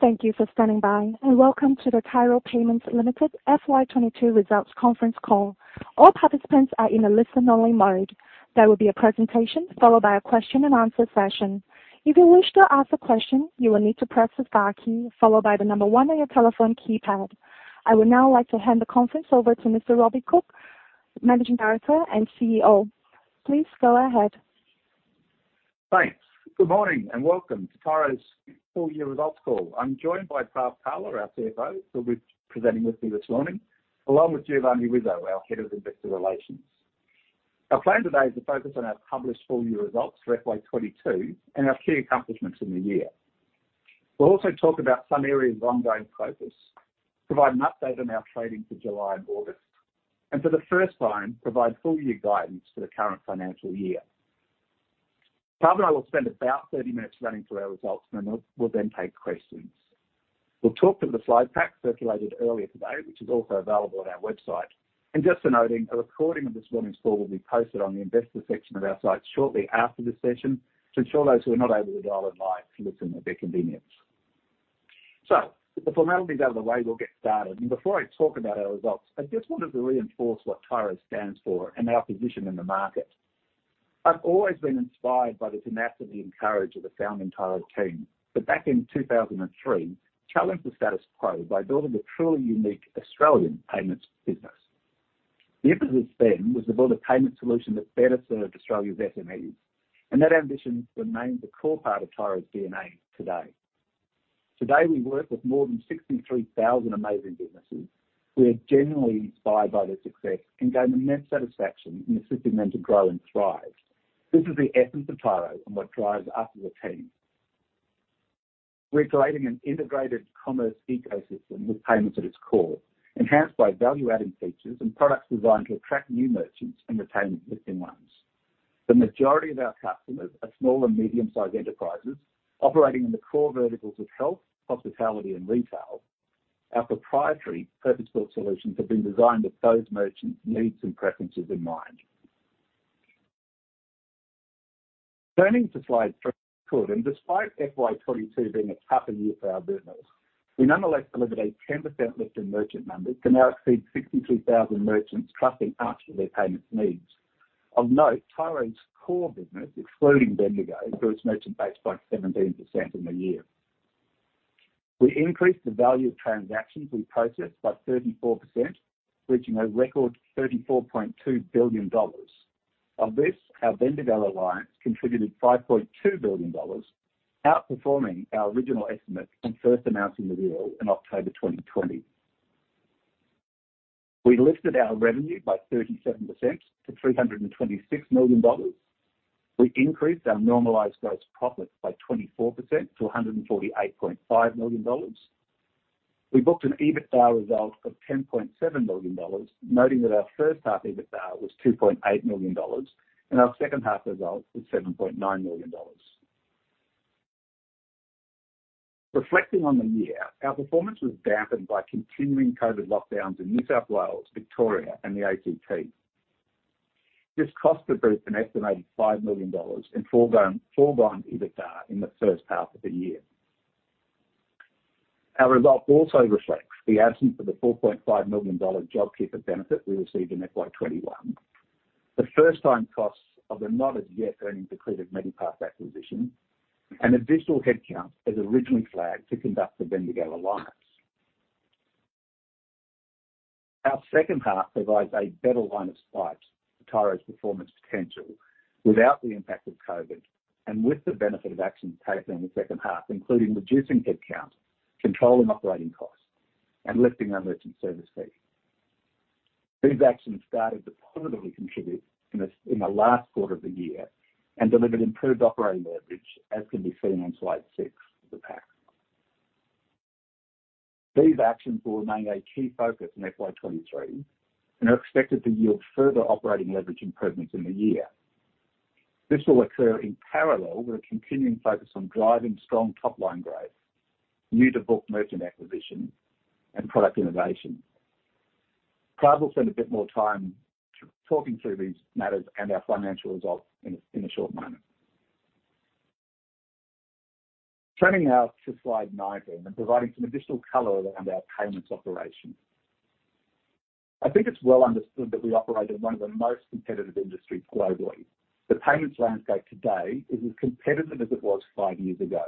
Thank you for standing by, and welcome to the Tyro Payments Limited FY22 results conference call. All participants are in a listen only mode. There will be a presentation followed by a question and answer session. If you wish to ask a question, you will need to press the star key followed by the number one on your telephone keypad. I would now like to hand the conference over to Mr. Robbie Cooke, Managing Director and CEO. Please go ahead. Thanks. Good morning and welcome to Tyro's full year results call. I'm joined by Praveenesh Pala, our CFO, who'll be presenting with me this morning, along with Giovanni Rizzo, our Head of Investor Relations. Our plan today is to focus on our published full year results for FY22 and our key accomplishments in the year. We'll also talk about some areas of ongoing focus, provide an update on our trading for July and August, and for the first time, provide full year guidance for the current financial year. Praveenesh Pala and I will spend about 30 minutes running through our results, and then we'll then take questions. We'll talk to the slide pack circulated earlier today, which is also available on our website. Just for noting, a recording of this morning's call will be posted on the investor section of our site shortly after this session to ensure those who are not able to dial in live can listen at their convenience. With the formalities out of the way, we'll get started. Before I talk about our results, I just wanted to reinforce what Tyro stands for and our position in the market. I've always been inspired by the tenacity and courage of the founding Tyro team, who back in 2003 challenged the status quo by building a truly unique Australian payments business. The impetus then was to build a payment solution that better served Australia's SMEs, and that ambition remains a core part of Tyro's DNA today. Today, we work with more than 63,000 amazing businesses. We are genuinely inspired by their success and gain immense satisfaction in assisting them to grow and thrive. This is the essence of Tyro and what drives us as a team. We're creating an integrated commerce ecosystem with payments at its core, enhanced by value-adding features and products designed to attract new merchants and retain existing ones. The majority of our customers are small and medium-sized enterprises operating in the core verticals of health, hospitality and retail. Our proprietary purpose-built solutions have been designed with those merchants' needs and preferences in mind. Turning to slide 3. Despite FY22 being a tougher year for our business, we nonetheless delivered a 10% lift in merchant numbers to now exceed 63,000 merchants trusting us with their payments needs. Of note, Tyro's core business, excluding Bendigo, grew its merchant base by 17% in the year. We increased the value of transactions we processed by 34%, reaching a record 34.2 billion dollars. Of this, our Bendigo alliance contributed 5.2 billion dollars, outperforming our original estimates when first announcing the deal in October 2020. We lifted our revenue by 37% to 326 million dollars. We increased our normalized gross profit by 24% to 148.5 million dollars. We booked an EBITDA result of 10.7 million dollars, noting that our first half EBITDA was 2.8 million dollars and our second half result was 7.9 million dollars. Reflecting on the year, our performance was dampened by continuing COVID lockdowns in New South Wales, Victoria and the ACT. This cost the group an estimated 5 million dollars in foregone EBITDA in the first half of the year. Our results also reflects the absence of the 4.5 million dollars JobKeeper benefit we received in FY21, the first time costs of the not as yet earnings accretive Medipass acquisition, and additional headcount as originally flagged to conduct the Bendigo alliance. Our second half provides a better line of sight to Tyro's performance potential without the impact of COVID and with the benefit of actions taken in the second half, including reducing headcount, controlling operating costs and lifting our merchant service fee. These actions started to positively contribute in the last quarter of the year and delivered improved operating leverage, as can be seen on slide 6 of the pack. These actions will remain a key focus in FY23 and are expected to yield further operating leverage improvements in the year. This will occur in parallel with a continuing focus on driving strong top-line growth, new to book merchant acquisition and product innovation. Prav will spend a bit more time talking through these matters and our financial results in a short moment. Turning now to slide 19 and providing some additional color around our payments operations. I think it's well understood that we operate in one of the most competitive industries globally. The payments landscape today is as competitive as it was five years ago,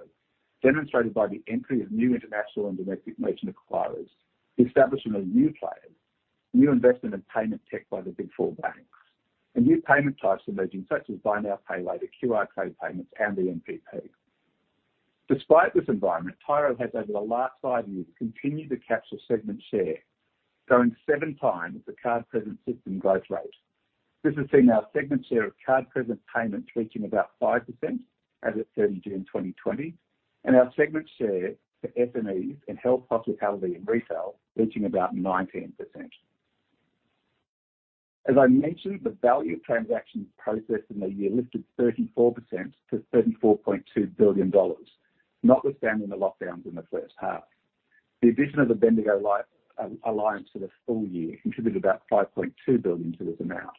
demonstrated by the entry of new international and domestic merchant acquirers, the establishment of new players, new investment in payment tech by the Big Four banks and new payment types emerging, such as buy now, pay later, QR code payments and BNPL. Despite this environment, Tyro has over the last five years continued to capture segment share, growing seven times the card present system growth rate. This has seen our segment share of card present payments reaching about 5% as at 30 June 2020, and our segment share for SMEs in health, hospitality and retail reaching about 19%. As I mentioned, the value of transactions processed in the year lifted 34% to 34.2 billion dollars, notwithstanding the lockdowns in the first half. The addition of the Bendigo alliance for the full year contributed about 5.2 billion to this amount.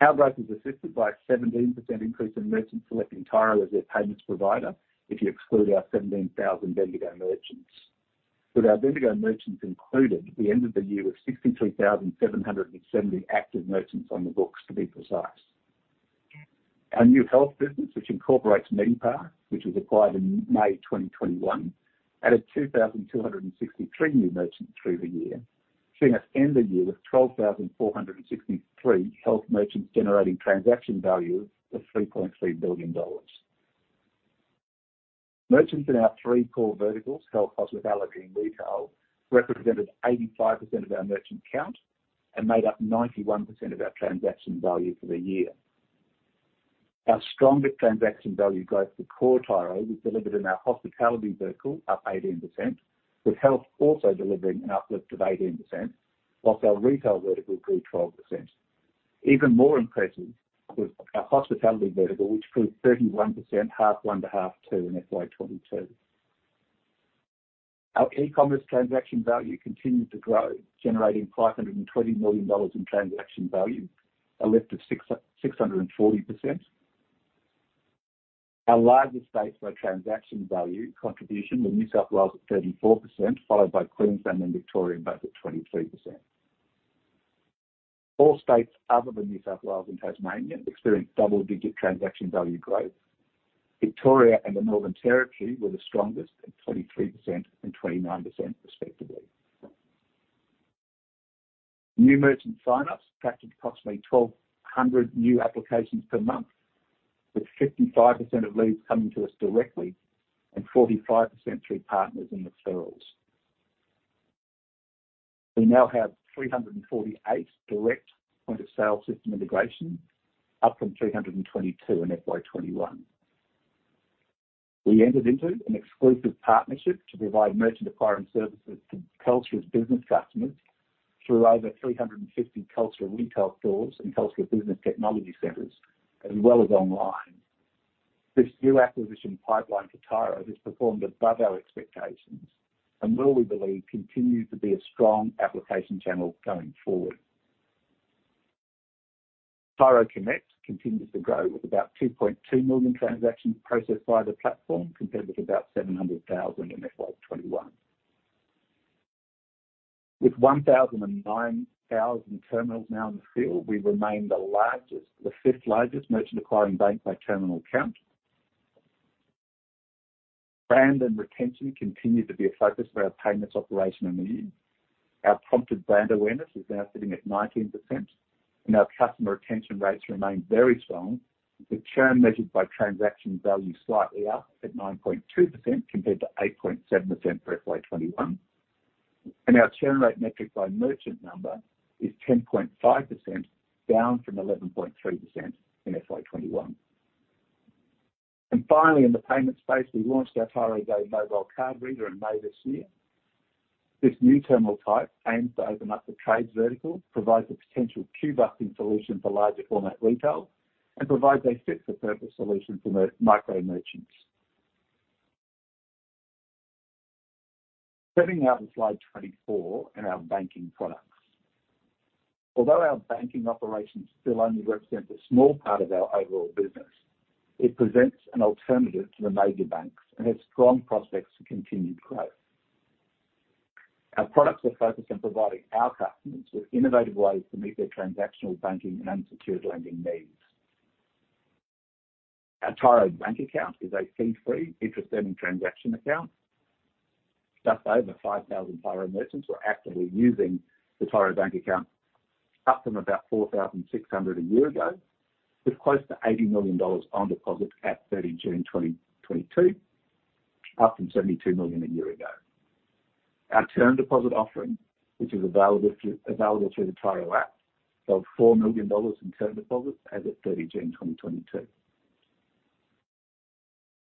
Our growth was assisted by a 17% increase in merchants selecting Tyro as their payments provider, if you exclude our 17,000 Bendigo merchants. With our Bendigo merchants included, the end of the year was 62,700 active merchants on the books, to be precise. Our new health business, which incorporates Medipass, which was acquired in May 2021, added 2,263 new merchants through the year, seeing us end the year with 12,463 health merchants generating transaction value of 3.3 billion dollars. Merchants in our three core verticals, health, hospitality and retail, represented 85% of our merchant count and made up 91% of our transaction value for the year. Our strongest transaction value growth for core Tyro was delivered in our hospitality vertical, up 18%, with health also delivering an uplift of 18%, whilst our retail vertical grew 12%. Even more impressive was our hospitality vertical, which grew 31%, H1 to H2 in FY22. Our e-commerce transaction value continued to grow, generating 520 million dollars in transaction value, a lift of 6,640%. Our largest states by transaction value contribution were New South Wales at 34%, followed by Queensland and Victoria both at 23%. All states other than New South Wales and Tasmania experienced double-digit transaction value growth. Victoria and the Northern Territory were the strongest at 23% and 29% respectively. New merchant sign-ups tracked at approximately 1,200 new applications per month, with 55% of leads coming to us directly and 45% through partners and referrals. We now have 348 direct point of sale system integration, up from 322 in FY21. We entered into an exclusive partnership to provide merchant acquiring services to Telstra's business customers through over 350 Telstra retail stores and Telstra business technology centers, as well as online. This new acquisition pipeline to Tyro has performed above our expectations and will, we believe, continue to be a strong application channel going forward. Tyro Connect continues to grow with about 2.2 million transactions processed by the platform, compared with about 700,000 in FY21. With 109,000 terminals now in the field, we remain the fifth-largest merchant acquiring bank by terminal count. Brand and retention continued to be a focus for our payments operation in the year. Our prompted brand awareness is now sitting at 19%, and our customer retention rates remain very strong, with churn measured by transaction value slightly up at 9.2% compared to 8.7% for FY21. Our churn rate metric by merchant number is 10.5%, down from 11.3% in FY21. Finally, in the payment space, we launched our Tyro Go mobile card reader in May this year. This new terminal type aims to open up the trades vertical, provide the potential queue-busting solution for larger format retail, and provides a fit-for-purpose solution for micro-merchants. Turning now to slide 24 and our banking products. Although our banking operations still only represent a small part of our overall business, it presents an alternative to the major banks and has strong prospects for continued growth. Our products are focused on providing our customers with innovative ways to meet their transactional banking and unsecured lending needs. Our Tyro Bank Account is a fee-free, interest-earning transaction account. Just over 5,000 Tyro merchants were actively using the Tyro Bank Account, up from about 4,600 a year ago, with close to 80 million dollars on deposit at 30 June 2022, up from 72 million a year ago. Our term deposit offering, which is available through the Tyro App, held 4 million dollars in term deposits as at 30 June 2022.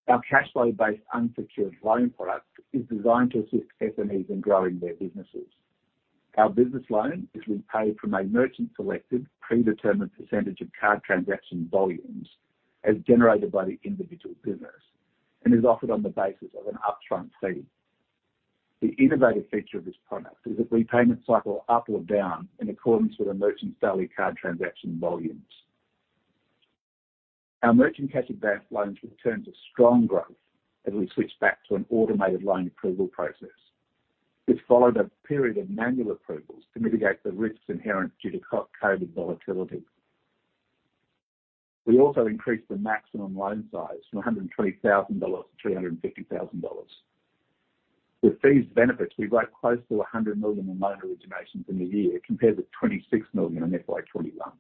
Our cashflow-based unsecured loan product is designed to assist SMEs in growing their businesses. Our business loan is repaid from a merchant-selected predetermined percentage of card transaction volumes as generated by the individual business and is offered on the basis of an upfront fee. The innovative feature of this product is its repayment cycle up or down in accordance with a merchant's daily card transaction volumes. Our merchant cash advance loans returned to strong growth as we switched back to an automated loan approval process. This followed a period of manual approvals to mitigate the risks inherent due to COVID volatility. We also increased the maximum loan size from 120,000 dollars to 350,000 dollars. With these benefits, we wrote close to 100 million in loan originations in the year compared with 26 million in FY21.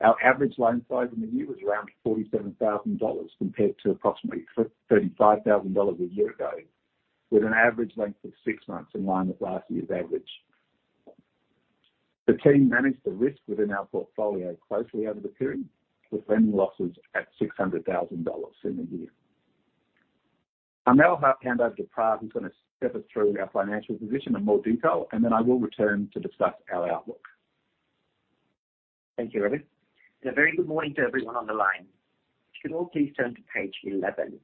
Our average loan size in the year was around 47,000 dollars compared to approximately 35,000 dollars a year ago, with an average length of six months in line with last year's average. The team managed the risk within our portfolio closely over the period, with lending losses at 600,000 dollars in the year. I'll now hand over to Prav, who's gonna step us through our financial position in more detail, and then I will return to discuss our outlook. Thank you, Robbie Cooke. A very good morning to everyone on the line. If you could all please turn to page 11.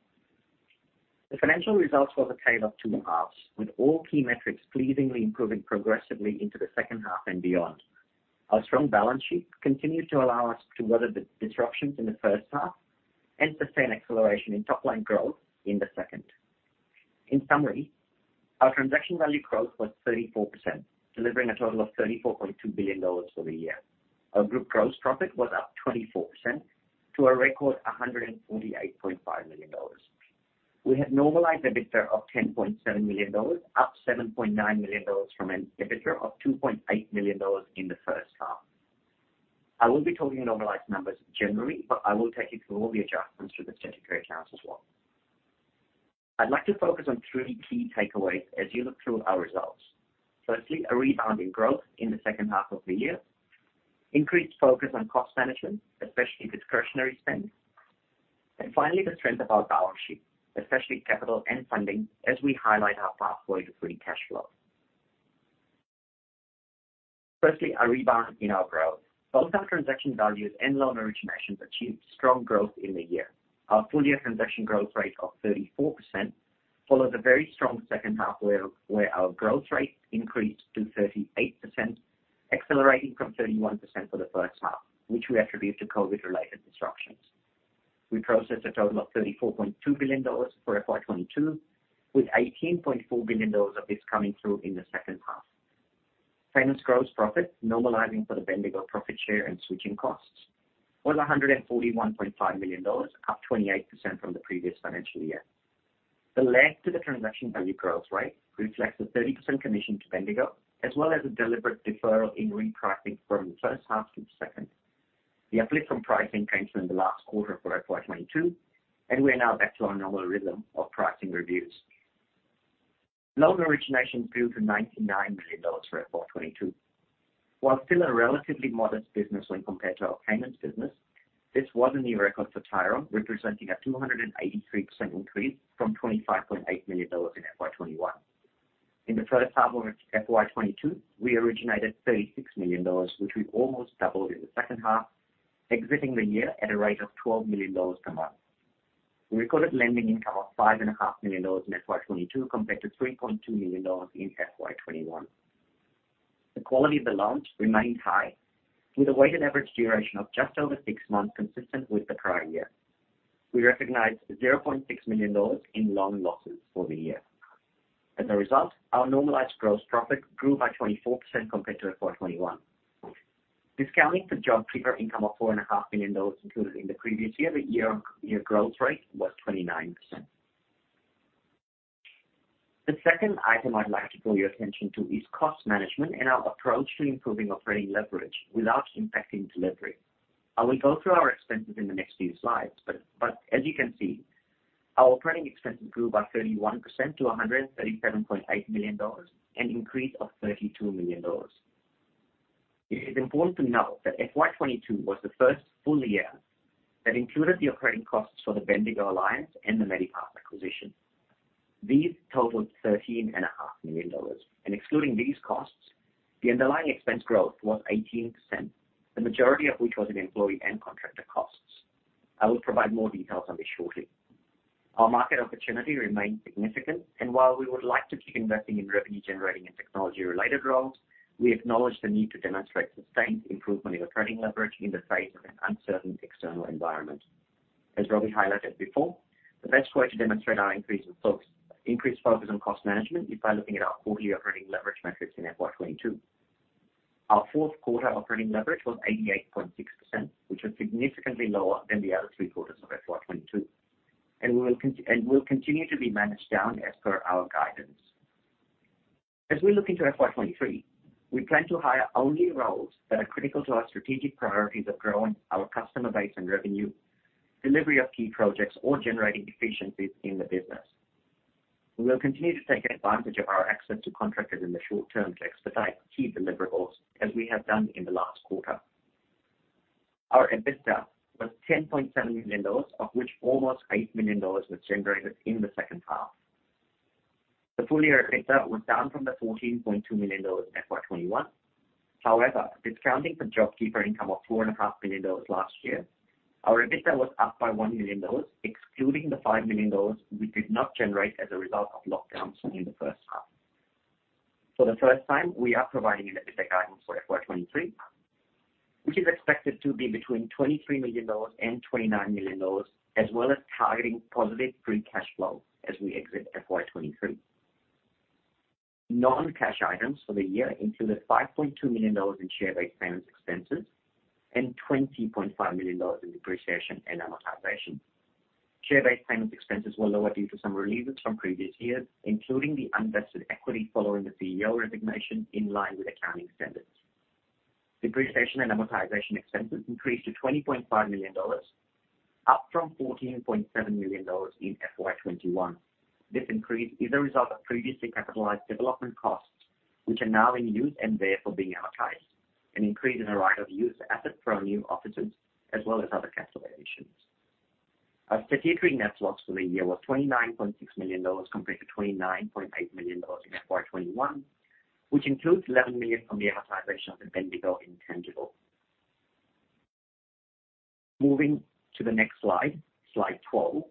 The financial results was a tale of two halves, with all key metrics pleasingly improving progressively into the second half and beyond. Our strong balance sheet continued to allow us to weather the disruptions in the first half and sustain acceleration in top line growth in the second. In summary, our transaction value growth was 34%, delivering a total of 34.2 billion dollars for the year. Our group gross profit was up 24% to a record, 148.5 million dollars. We have normalized EBITDA of 10.7 million dollars, up 7.9 million dollars from an EBITDA of 2.8 million dollars in the first half. I will be talking normalized numbers generally, but I will take you through all the adjustments to the statutory accounts as well. I'd like to focus on three key takeaways as you look through our results. Firstly, a rebound in growth in the second half of the year. Increased focus on cost management, especially discretionary spend. Finally, the strength of our balance sheet, especially capital and funding, as we highlight our pathway to free cash flow. Firstly, a rebound in our growth. Both our transaction values and loan originations achieved strong growth in the year. Our full year transaction growth rate of 34% followed a very strong second half, where our growth rate increased to 38%, accelerating from 31% for the first half, which we attribute to COVID-related disruptions. We processed a total of 34.2 billion dollars for FY22, with 18.4 billion dollars of this coming through in the second half. Finance gross profit normalizing for the Bendigo profit share and switching costs, was 141.5 million dollars, up 28% from the previous financial year. The lag to the transaction value growth rate reflects a 30% commission to Bendigo, as well as a deliberate deferral in repricing from the first half to the second. The uplift from pricing came from the last quarter for FY22, and we are now back to our normal rhythm of pricing reviews. Loan origination grew to 99 million dollars for FY22. While still a relatively modest business when compared to our payments business, this was a new record for Tyro, representing a 283% increase from 25.8 million dollars in FY21. In the first half of FY22, we originated 36 million dollars, which we almost doubled in the second half, exiting the year at a rate of 12 million dollars per month. We recorded lending income of 5.5 million dollars in FY22 compared to 3.2 million dollars in FY21. The quality of the loans remained high, with a weighted average duration of just over six months, consistent with the prior year. We recognized 0.6 million dollars in loan losses for the year. As a result, our normalized gross profit grew by 24% compared to FY21. Discounting for JobKeeper income of four and a half million dollars included in the previous year, the year-over-year growth rate was 29%. The second item I'd like to draw your attention to is cost management and our approach to improving operating leverage without impacting delivery. I will go through our expenses in the next few slides, but as you can see, our operating expenses grew by 31% to 137.8 million dollars, an increase of 32 million dollars. It is important to note that FY 2022 was the first full year that included the operating costs for the Bendigo Alliance and the Medipass acquisition. These totaled thirteen and a half million dollars, and excluding these costs, the underlying expense growth was 18%, the majority of which was in employee and contractor costs. I will provide more details on this shortly. Our market opportunity remains significant, and while we would like to keep investing in revenue generating and technology-related roles, we acknowledge the need to demonstrate sustained improvement in operating leverage in the face of an uncertain external environment. As Robbie highlighted before, the best way to demonstrate our increased focus on cost management is by looking at our full year operating leverage metrics in FY22. Our fourth quarter operating leverage was 88.6%, which was significantly lower than the other three quarters of FY22, and will continue to be managed down as per our guidance. As we look into FY23, we plan to hire only roles that are critical to our strategic priorities of growing our customer base and revenue, delivery of key projects or generating efficiencies in the business. We will continue to take advantage of our access to contractors in the short term to expedite key deliverables as we have done in the last quarter. Our EBITDA was 10.7 million dollars, of which almost 8 million dollars was generated in the second half. The full year EBITDA was down from the 14.2 million dollars FY21. However, discounting for JobKeeper income of 4.5 million dollars last year, our EBITDA was up by 1 million dollars, excluding the 5 million dollars we did not generate as a result of lockdowns in the first half. For the first time, we are providing an EBITDA guidance for FY23, which is expected to be between AUD 23 million and AUD 29 million, as well as targeting positive free cash flow as we exit FY23. Non-cash items for the year included 5.2 million dollars in share-based payments expenses and 20.5 million dollars in depreciation and amortization. Share-based payments expenses were lower due to some releases from previous years, including the unvested equity following the CEO resignation in line with accounting standards. Depreciation and amortization expenses increased to 20.5 million dollars, up from 14.7 million dollars in FY21. This increase is a result of previously capitalized development costs, which are now in use and therefore being amortized, an increase in the right-of-use asset from new offices as well as other capitalizations. Our statutory net loss for the year was 29.6 million dollars compared to 29.8 million dollars in FY21, which includes 11 million from the amortization of the Bendigo intangible. Moving to the next slide 12.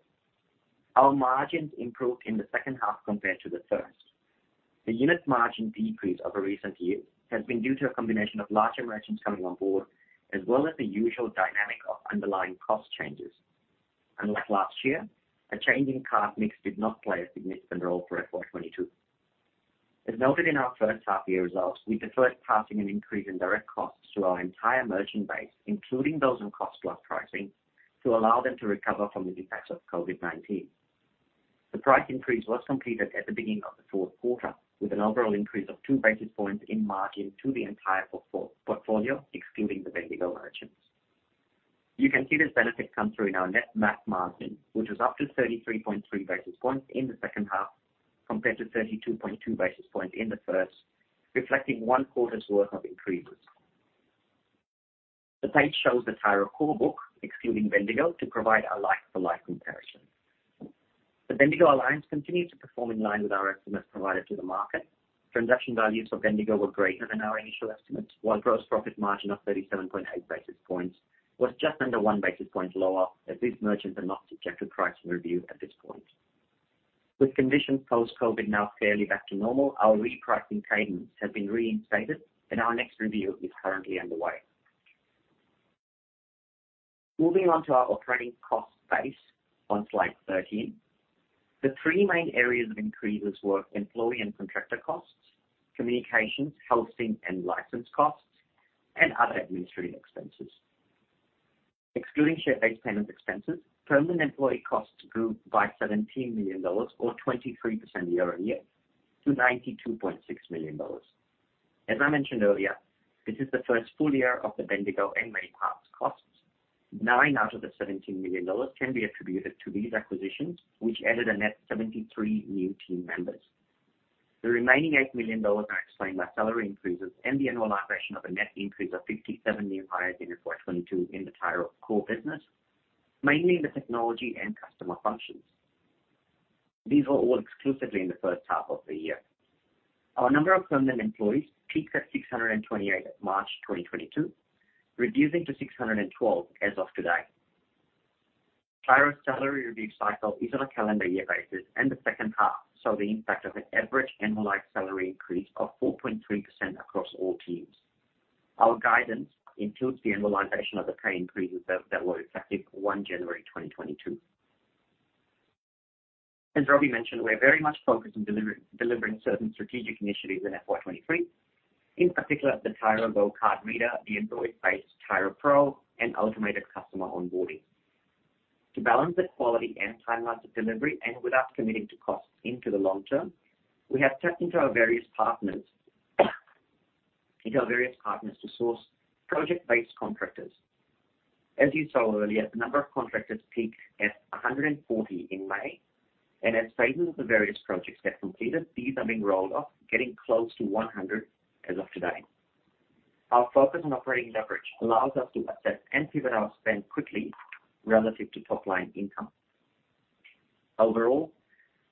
Our margins improved in the second half compared to the first. The unit margin decrease over recent years has been due to a combination of larger merchants coming on board, as well as the usual dynamic of underlying cost changes. Unlike last year, a change in card mix did not play a significant role for FY22. As noted in our first half year results, we deferred passing an increase in direct costs to our entire merchant base, including those in cost-plus pricing, to allow them to recover from the effects of COVID-19. The price increase was completed at the beginning of the fourth quarter, with an overall increase of two basis points in margin to the entire portfolio, excluding the Bendigo merchants. You can see this benefit come through in our net margin, which was up to 33.3 basis points in the second half compared to 32.2 basis points in the first, reflecting one quarter's worth of increases. The page shows the Tyro core book excluding Bendigo to provide a like-for-like comparison. The Bendigo Alliance continues to perform in line with our estimates provided to the market. Transaction values for Bendigo were greater than our initial estimates, while gross profit margin of 37.8 basis points was just under one basis point lower, as these merchants are not subject to pricing review at this point. With conditions post-COVID now fairly back to normal, our repricing cadence has been reinstated and our next review is currently underway. Moving on to our operating cost base on slide 13. The three main areas of increases were employee and contractor costs, communications, hosting and license costs, and other administrative expenses. Excluding share-based payment expenses, permanent employee costs grew by 17 million dollars or 23% year-on-year to 92.6 million dollars. As I mentioned earlier, this is the first full year of the Bendigo and Medipass costs. Nine out of the 17 million dollars can be attributed to these acquisitions, which added a net 73 new team members. The remaining 8 million dollars are explained by salary increases and the annualization of a net increase of 57 new hires in FY22 in the Tyro core business, mainly in the technology and customer functions. These were all exclusively in the first half of the year. Our number of permanent employees peaked at 628 at March 2022, reducing to 612 as of today. Tyro's salary review cycle is on a calendar year basis, and the second half saw the impact of an average annualized salary increase of 4.3% across all teams. Our guidance includes the annualization of the pay increases that were effective 1 January 2022. As Robbie mentioned, we're very much focused on delivering certain strategic initiatives in FY23, in particular the Tyro Go card reader, the Android-based Tyro Pro, and automated customer onboarding. To balance the quality and timelines of delivery and without committing to costs into the long term, we have tapped into our various partners to source project-based contractors. As you saw earlier, the number of contractors peaked at 140 in May, and as phases of the various projects get completed, these are being rolled off, getting close to 100 as of today. Our focus on operating leverage allows us to assess and pivot our spend quickly relative to top line income. Overall,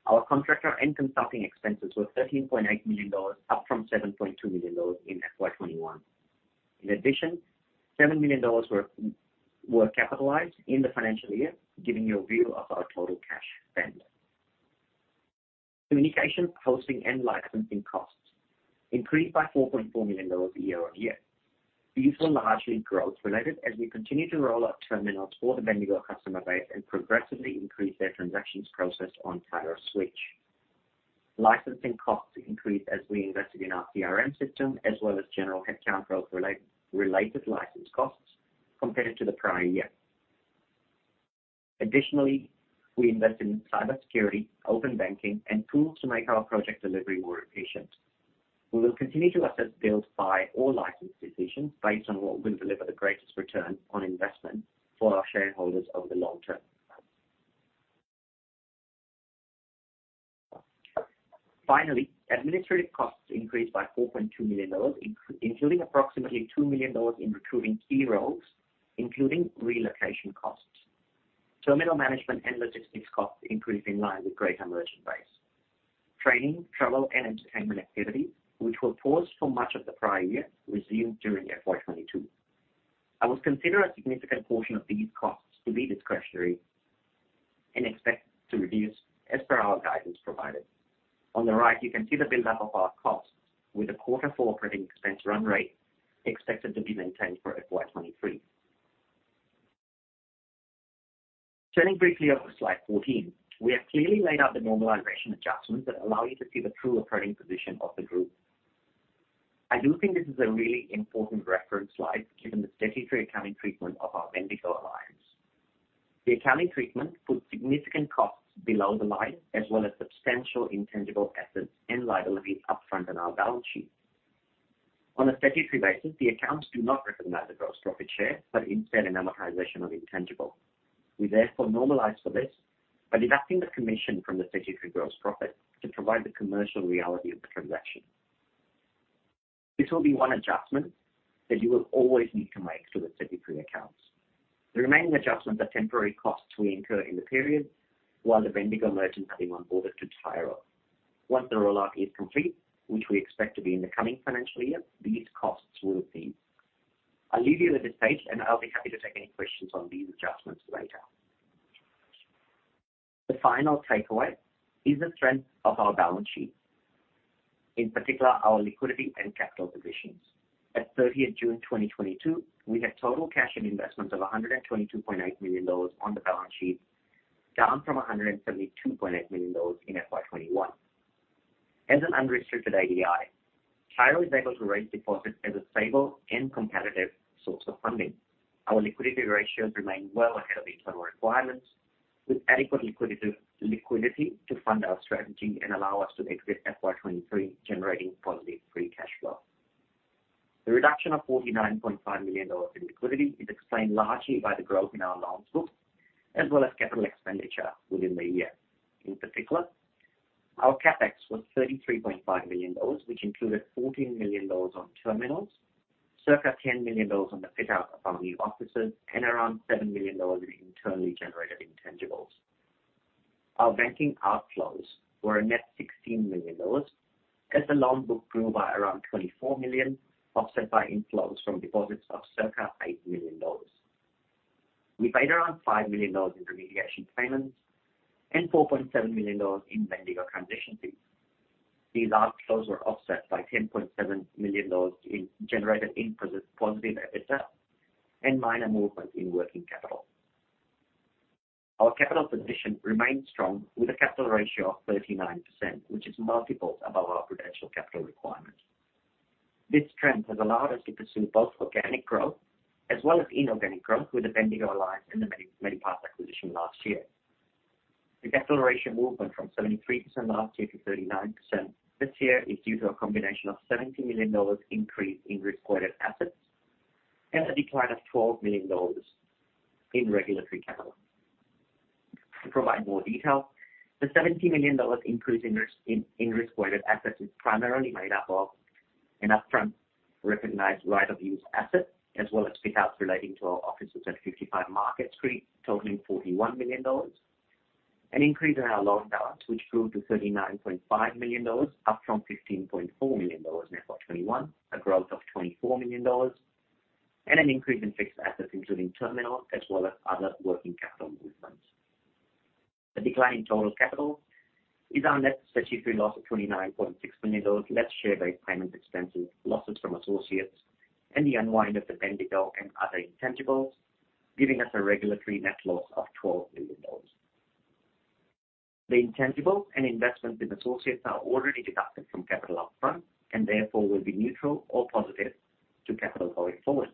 our contractor and consulting expenses were 13.8 million dollars, up from 7.2 million dollars in FY21. In addition, 7 million dollars were capitalized in the financial year, giving you a view of our total cash spend. Communication, hosting and licensing costs increased by 4.4 million dollars year-on-year. These were largely growth related as we continue to roll out terminals for the Bendigo customer base and progressively increase their transactions processed on Tyro Switch. Licensing costs increased as we invested in our CRM system as well as general headcount growth related license costs compared to the prior year. Additionally, we invest in cybersecurity, open banking, and tools to make our project delivery more efficient. We will continue to assess build, buy or license decisions based on what will deliver the greatest return on investment for our shareholders over the long term. Finally, administrative costs increased by 4.2 million dollars, including approximately 2 million dollars in recruiting key roles, including relocation costs. Terminal management and logistics costs increased in line with greater merchant base. Training, travel, and entertainment activity, which were paused for much of the prior year, resumed during FY22. I would consider a significant portion of these costs to be discretionary and expect to reduce as per our guidance provided. On the right, you can see the buildup of our costs with the quarter four operating expense run rate expected to be maintained for FY23. Turning briefly over to slide 14. We have clearly laid out the normalization adjustments that allow you to see the true operating position of the group. I do think this is a really important reference slide given the statutory accounting treatment of our Bendigo Alliance. The accounting treatment puts significant costs below the line, as well as substantial intangible assets and liabilities up front on our balance sheet. On a statutory basis, the accounts do not recognize the gross profit share, but instead an amortization of intangible. We therefore normalize for this by deducting the commission from the statutory gross profit to provide the commercial reality of the transaction. This will be one adjustment that you will always need to make to the statutory accounts. The remaining adjustments are temporary costs we incur in the period while the Bendigo merchants are being onboarded to Tyro. Once the rollout is complete, which we expect to be in the coming financial year, these costs will recede. I'll leave you at this stage, and I'll be happy to take any questions on these adjustments later. The final takeaway is the strength of our balance sheet, in particular, our liquidity and capital positions. At 30 June 2022, we had total cash and investments of 122.8 million dollars on the balance sheet, down from 172.8 million dollars in FY21. As an unrestricted ADI, Tyro is able to raise deposits as a stable and competitive source of funding. Our liquidity ratios remain well ahead of the internal requirements, with adequate liquidity to fund our strategy and allow us to exit FY23 generating positive free cash flow. The reduction of 49.5 million dollars in liquidity is explained largely by the growth in our loan book, as well as capital expenditure within the year. In particular, our CapEx was 33.5 million dollars, which included 14 million dollars on terminals, circa 10 million dollars on the fit-out of our new offices, and around 7 million dollars in internally generated intangibles. Our banking outflows were a net AUD 16 million as the loan book grew by around AUD 24 million, offset by inflows from deposits of circa AUD 8 million. We paid around AUD 5 million in remediation payments and AUD 4.7 million in Bendigo transition fees. These outflows were offset by AUD 10.7 million generated from positive EBITDA and minor movement in working capital. Our capital position remains strong with a capital ratio of 39%, which is multiples above our regulatory capital requirement. This trend has allowed us to pursue both organic growth as well as inorganic growth with the Bendigo alliance and the Medipass acquisition last year. The deceleration movement from 73% last year to 39% this year is due to a combination of 70 million dollars increase in risk-weighted assets and a decline of 12 million dollars in regulatory capital. To provide more detail, the 70 million dollars increase in risk-weighted assets is primarily made up of an upfront recognized right-of-use asset, as well as fit-outs relating to our offices at 55 Market Street, totaling 41 million dollars. An increase in our loan balance, which grew to 39.5 million dollars, up from 15.4 million dollars in FY21, a growth of 24 million dollars. An increase in fixed assets, including terminal as well as other working capital movements. The decline in total capital is our net statutory loss of 29.6 million dollars, less share-based payment expenses, losses from associates, and the unwind of the Bendigo and other intangibles, giving us a regulatory net loss of 12 million dollars. The intangibles and investment in associates are already deducted from capital upfront and therefore will be neutral or positive to capital going forward.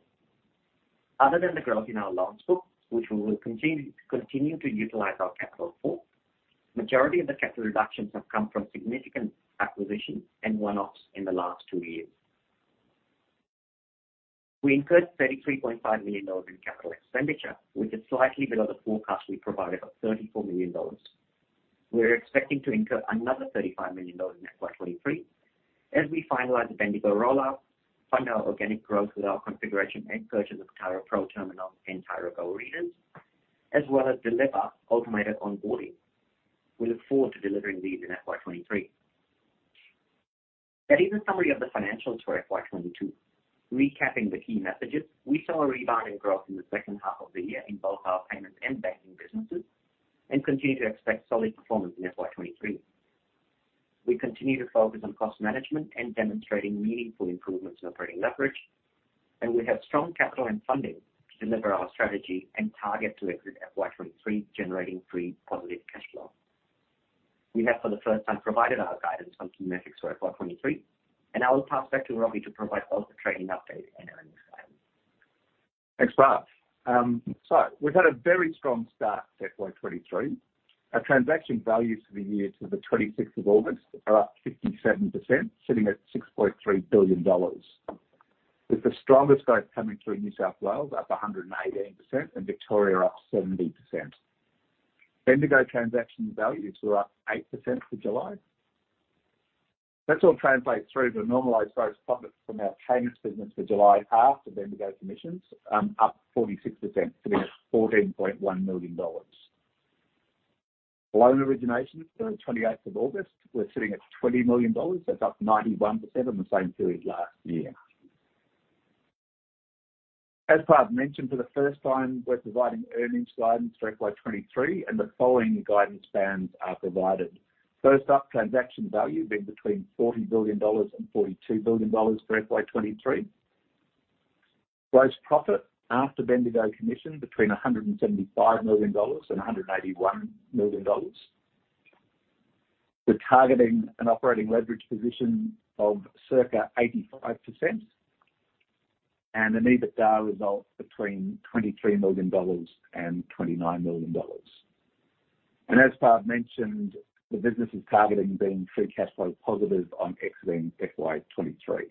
Other than the growth in our loans book, which we will continue to utilize our capital for, majority of the capital reductions have come from significant acquisitions and one-offs in the last two years. We incurred AUD 33.5 million in capital expenditure, which is slightly below the forecast we provided of AUD 34 million. We're expecting to incur another AUD 35 million in FY23 as we finalize the Bendigo rollout, fund our organic growth with our configuration and purchase of Tyro Pro terminal and Tyro Go readers, as well as deliver automated onboarding. We look forward to delivering these in FY23. That is a summary of the financials for FY22. Recapping the key messages, we saw a rebound in growth in the second half of the year in both our payments and banking businesses and continue to expect solid performance in FY23. We continue to focus on cost management and demonstrating meaningful improvements in operating leverage, and we have strong capital and funding to deliver our strategy and target to exit FY23 generating positive free cash flow. We have, for the first time, provided our guidance on key metrics for FY23, and I will pass back to Robbie to provide both the trading update and earnings guidance. Thanks, Prav. We've had a very strong start to FY23. Our transaction values for the year to the 26th of August are up 57%, sitting at 6.3 billion dollars, with the strongest growth coming through New South Wales, up 118%, and Victoria up 70%. Bendigo transaction values were up 8% for July. That all translates through to a normalized gross profit from our payments business for July after Bendigo commissions, up 46% sitting at 14.1 million dollars. Loan originations to the 28th of August, we're sitting at 20 million dollars. That's up 91% on the same period last year. As Prav mentioned, for the first time, we're providing earnings guidance for FY23, and the following guidance bands are provided. First up, transaction value being between 40 billion dollars and 42 billion dollars for FY23. Gross profit after Bendigo commission between 175 million dollars and 181 million dollars. We're targeting an operating leverage position of circa 85%. An EBITDA result between 23 million dollars and 29 million dollars. As Prav mentioned, the business is targeting being free cash flow positive on exiting FY23.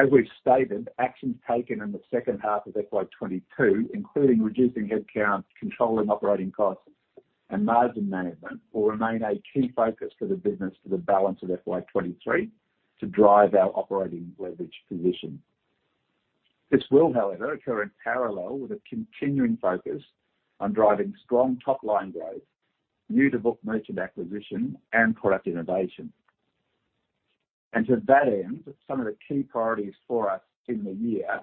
As we've stated, actions taken in the second half of FY22, including reducing headcount, controlling operating costs, and margin management, will remain a key focus for the business for the balance of FY23 to drive our operating leverage position. This will, however, occur in parallel with a continuing focus on driving strong top-line growth, new-to-book merchant acquisition, and product innovation. To that end, some of the key priorities for us in the year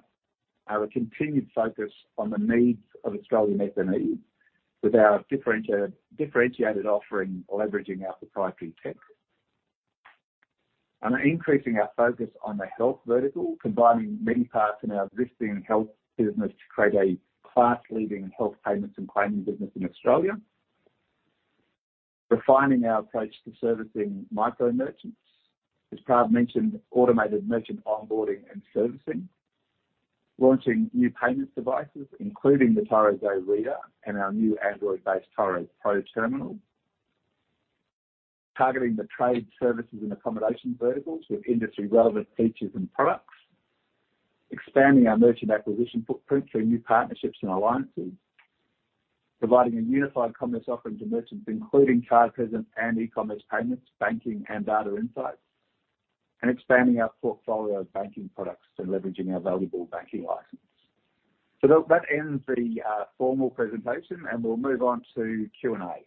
are a continued focus on the needs of Australian SMEs with our differentiated offering, leveraging our proprietary tech. Increasing our focus on the health vertical, combining many parts in our existing health business to create a class-leading health payments and claiming business in Australia. Refining our approach to servicing micro merchants. As Prav mentioned, automated merchant onboarding and servicing. Launching new payment devices, including the Tyro Go Reader and our new Android-based Tyro Pro terminal. Targeting the trade services and accommodation verticals with industry-relevant features and products. Expanding our merchant acquisition footprint through new partnerships and alliances. Providing a unified commerce offering to merchants, including card present and e-commerce payments, banking and data insights. Expanding our portfolio of banking products and leveraging our valuable banking license. That ends the formal presentation, and we'll move on to Q&A.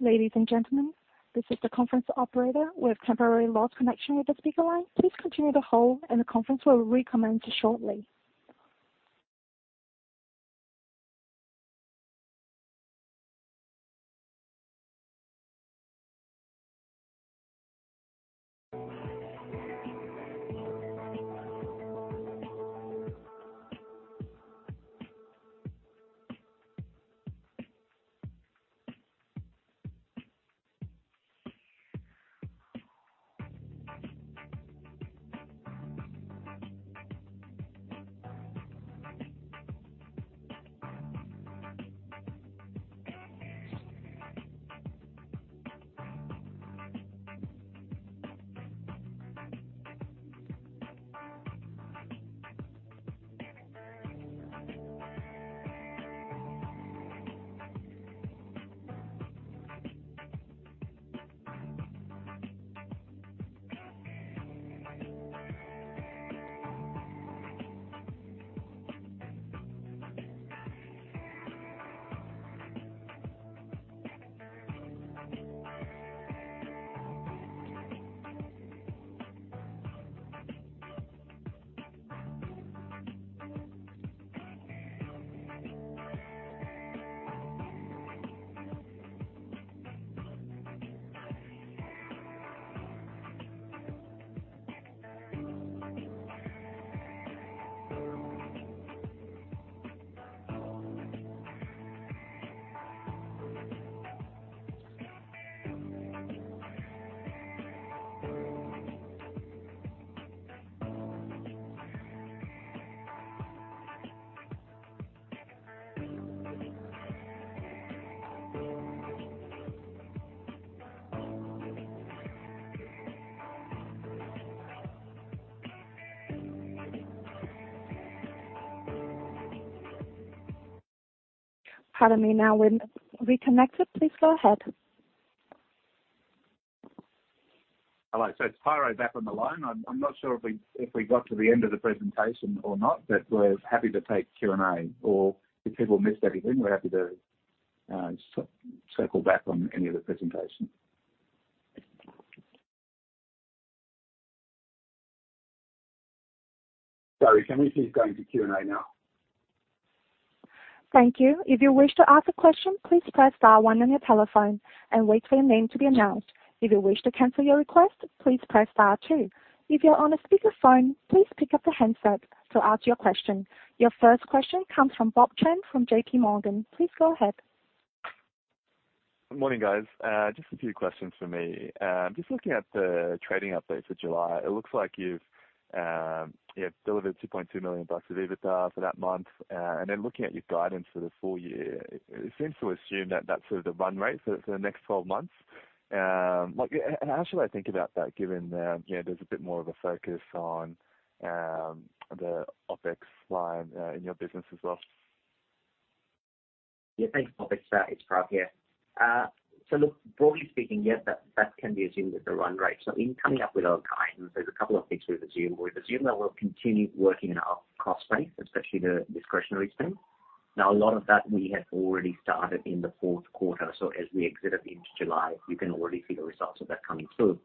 Ladies and gentlemen, this is the conference operator. We have temporarily lost connection with the speaker line. Please continue to hold and the conference will recommence shortly. Pardon me. Now we're reconnected. Please go ahead. Hello. It's Tyro back on the line. I'm not sure if we got to the end of the presentation or not, but we're happy to take Q&A or if people missed anything, we're happy to circle back on any of the presentation. Sorry, can we please go into Q&A now? Thank you. If you wish to ask a question, please press star one on your telephone and wait for your name to be announced. If you wish to cancel your request, please press star two. If you're on a speakerphone, please pick up the handset to ask your question. Your first question comes from Bob Chen from J.P. Morgan. Please go ahead. Good morning, guys. Just a few questions from me. Just looking at the trading update for July, it looks like you've delivered 2.2 million bucks of EBITDA for that month. Looking at your guidance for the full year, it seems to assume that that's sort of the run rate for the next 12 months. Like, how should I think about that, given that, you know, there's a bit more of a focus on the OpEx line in your business as well? Yeah, thanks, Bob. It's Prav here. So look, broadly speaking, yes, that can be assumed as the run rate. In coming up with our guidance, there's a couple of things we've assumed. We've assumed that we'll continue working in our cost base, especially the discretionary spend. A lot of that we have already started in the fourth quarter. As we exited into July, you can already see the results of that coming through.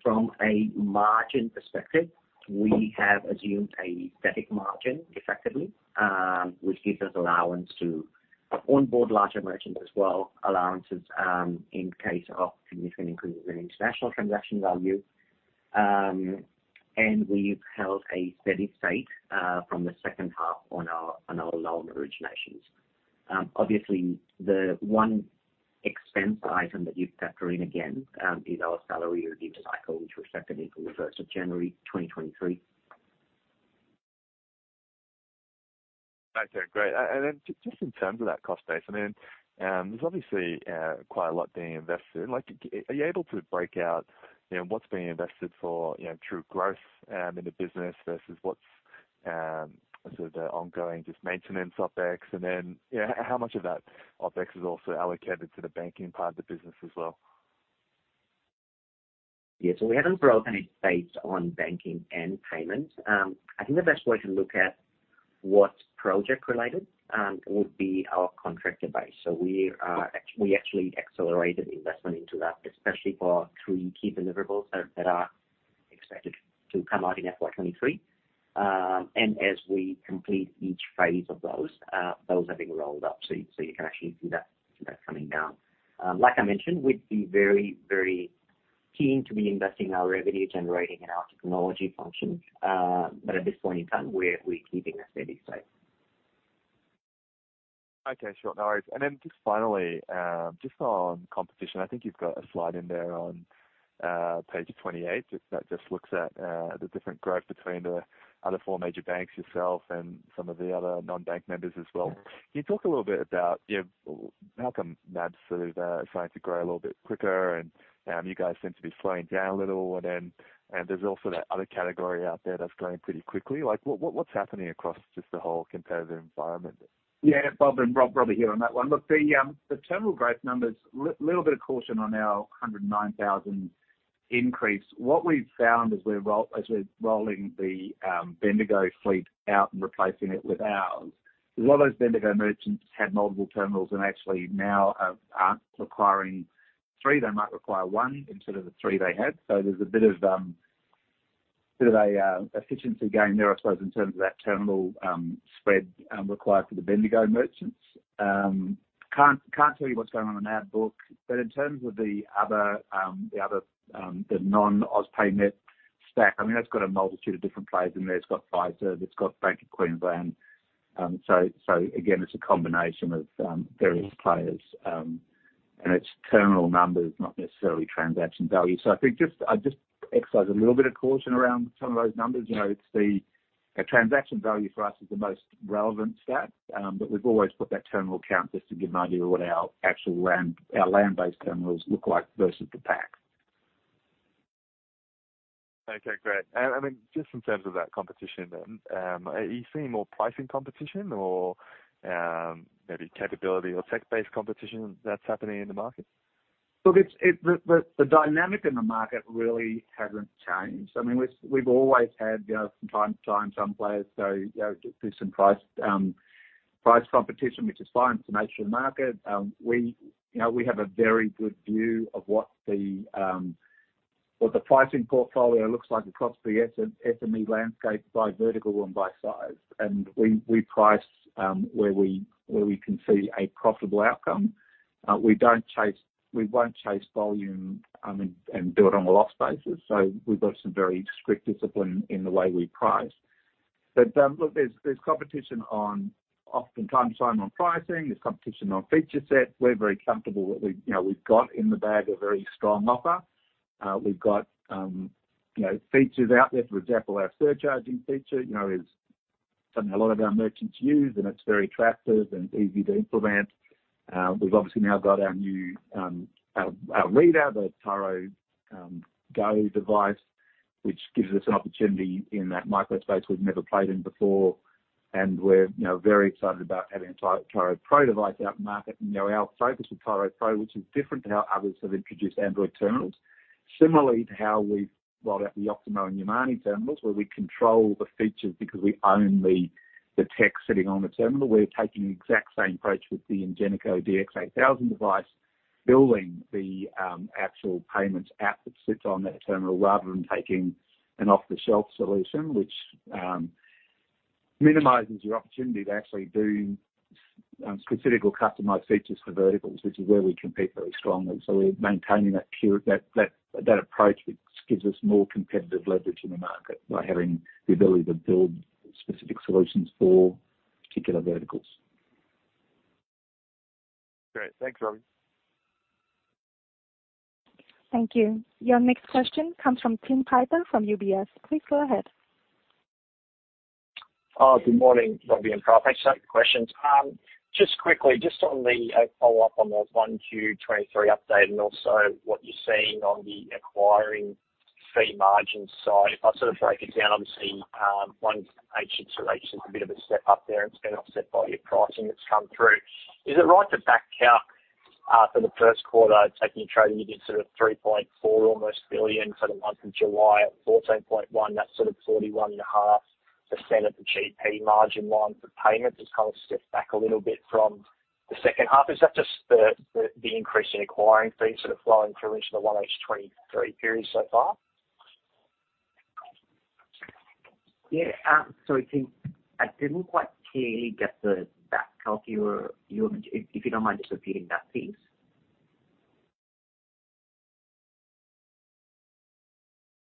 From a margin perspective, we have assumed a static margin effectively, which gives us allowance to onboard larger merchants as well, allowances in case of significant increases in international transaction value. And we've held a steady state from the second half on our loan originations. Obviously, the one expense item that you factor in again, is our salary review cycle, which we're set to meet on the first of January 2023. Okay, great. Then just in terms of that cost base, I mean, there's obviously quite a lot being invested. Like, are you able to break out, you know, what's being invested for, you know, true growth in the business versus what's sort of the ongoing just maintenance OpEx? Then, you know, how much of that OpEx is also allocated to the banking part of the business as well? Yeah. We haven't broken it based on banking and payment. I think the best way to look at what's project related would be our contracted base. We actually accelerated investment into that, especially for three key deliverables that are expected to come out in FY23. As we complete each phase of those are being rolled up. You can actually see that coming down. Like I mentioned, we'd be very, very keen to be investing in our revenue generating and our technology functions. But at this point in time we're keeping a steady state. Okay, sure. No worries. Then just finally, just on competition. I think you've got a slide in there on page 28. Just that looks at the different growth between the other four major banks, yourself and some of the other non-bank members as well. Can you talk a little bit about, you know, how come NAB's sort of starting to grow a little bit quicker, and you guys seem to be slowing down a little? There's also that other category out there that's growing pretty quickly. Like, what's happening across just the whole competitive environment? Yeah. Bob and Rob, Robbie here on that one. Look, the terminal growth numbers, little bit of caution on our 109,000 increase. What we've found as we're rolling the Bendigo fleet out and replacing it with ours, a lot of those Bendigo merchants had multiple terminals and actually now aren't requiring three. They might require one instead of the three they had. There's a bit of a efficiency gain there, I suppose, in terms of that terminal spread required for the Bendigo merchants. Can't tell you what's going on in that book. In terms of the other, the non-AusPayNet stack, I mean, that's got a multitude of different players in there. It's got Fiserv, it's got Bank of Queensland. Again, it's a combination of various players, and it's terminal numbers, not necessarily transaction value. I think I'd just exercise a little bit of caution around some of those numbers. You know, a transaction value for us is the most relevant stat, but we've always put that terminal count just to give an idea of what our actual land-based terminals look like versus the pack. Okay, great. I mean, just in terms of that competition, are you seeing more pricing competition or, maybe capability or tech-based competition that's happening in the market? Look, it's the dynamic in the market really hasn't changed. I mean, we've always had, you know, from time to time, some players go, you know, do some price competition, which is fine. It's a mature market. We, you know, we have a very good view of what the pricing portfolio looks like across the SME landscape by vertical and by size. We price where we can see a profitable outcome. We won't chase volume and do it on a loss basis. We've got some very strict discipline in the way we price. Look, there's competition from time to time on pricing. There's competition on feature set. We're very comfortable that we, you know, we've got in the bag a very strong offer. We've got, you know, features out there. For example, our surcharging feature, you know, is something a lot of our merchants use, and it's very attractive and easy to implement. We've obviously now got our new reader, the Tyro Go device, which gives us an opportunity in that micro space we've never played in before. We're, you know, very excited about having a Tyro Pro device out in the market. You know, our focus with Tyro Pro, which is different to how others have introduced Android terminals. Similarly to how we've rolled out the Yoximo and Yomani terminals, where we control the features because we own the tech sitting on the terminal. We're taking the exact same approach with the Ingenico AXIUM DX8000 device, building the actual payments app that sits on that terminal rather than taking an off-the-shelf solution. Which minimizes your opportunity to actually do specific or customized features for verticals, which is where we compete very strongly. We're maintaining that approach, which gives us more competitive leverage in the market by having the ability to build specific solutions for particular verticals. Great. Thanks, Robbie. Thank you. Your next question comes from Tim Piper from UBS. Please go ahead. Good morning, Robbie and Prav. Thanks for taking the questions. Just quickly, just on the follow-up on the 1Q23 update and also what you're seeing on the acquiring fee margin side. If I sort of break it down, obviously, one agent solution is a bit of a step up there, and it's been offset by your pricing that's come through. Is it right to back out for the first quarter, taking your trading, you did sort of almost 3.4 billion for the month of July at 14.1%? That's sort of 41.5% of the GP margin line for payments. It's kind of stepped back a little bit from The second half, is that just the increase in acquiring fees that are flowing through into the 1H 2023 period so far? Yeah, sorry, Tim Piper, I didn't quite clearly get the back calc you were. If you don't mind just repeating that, please.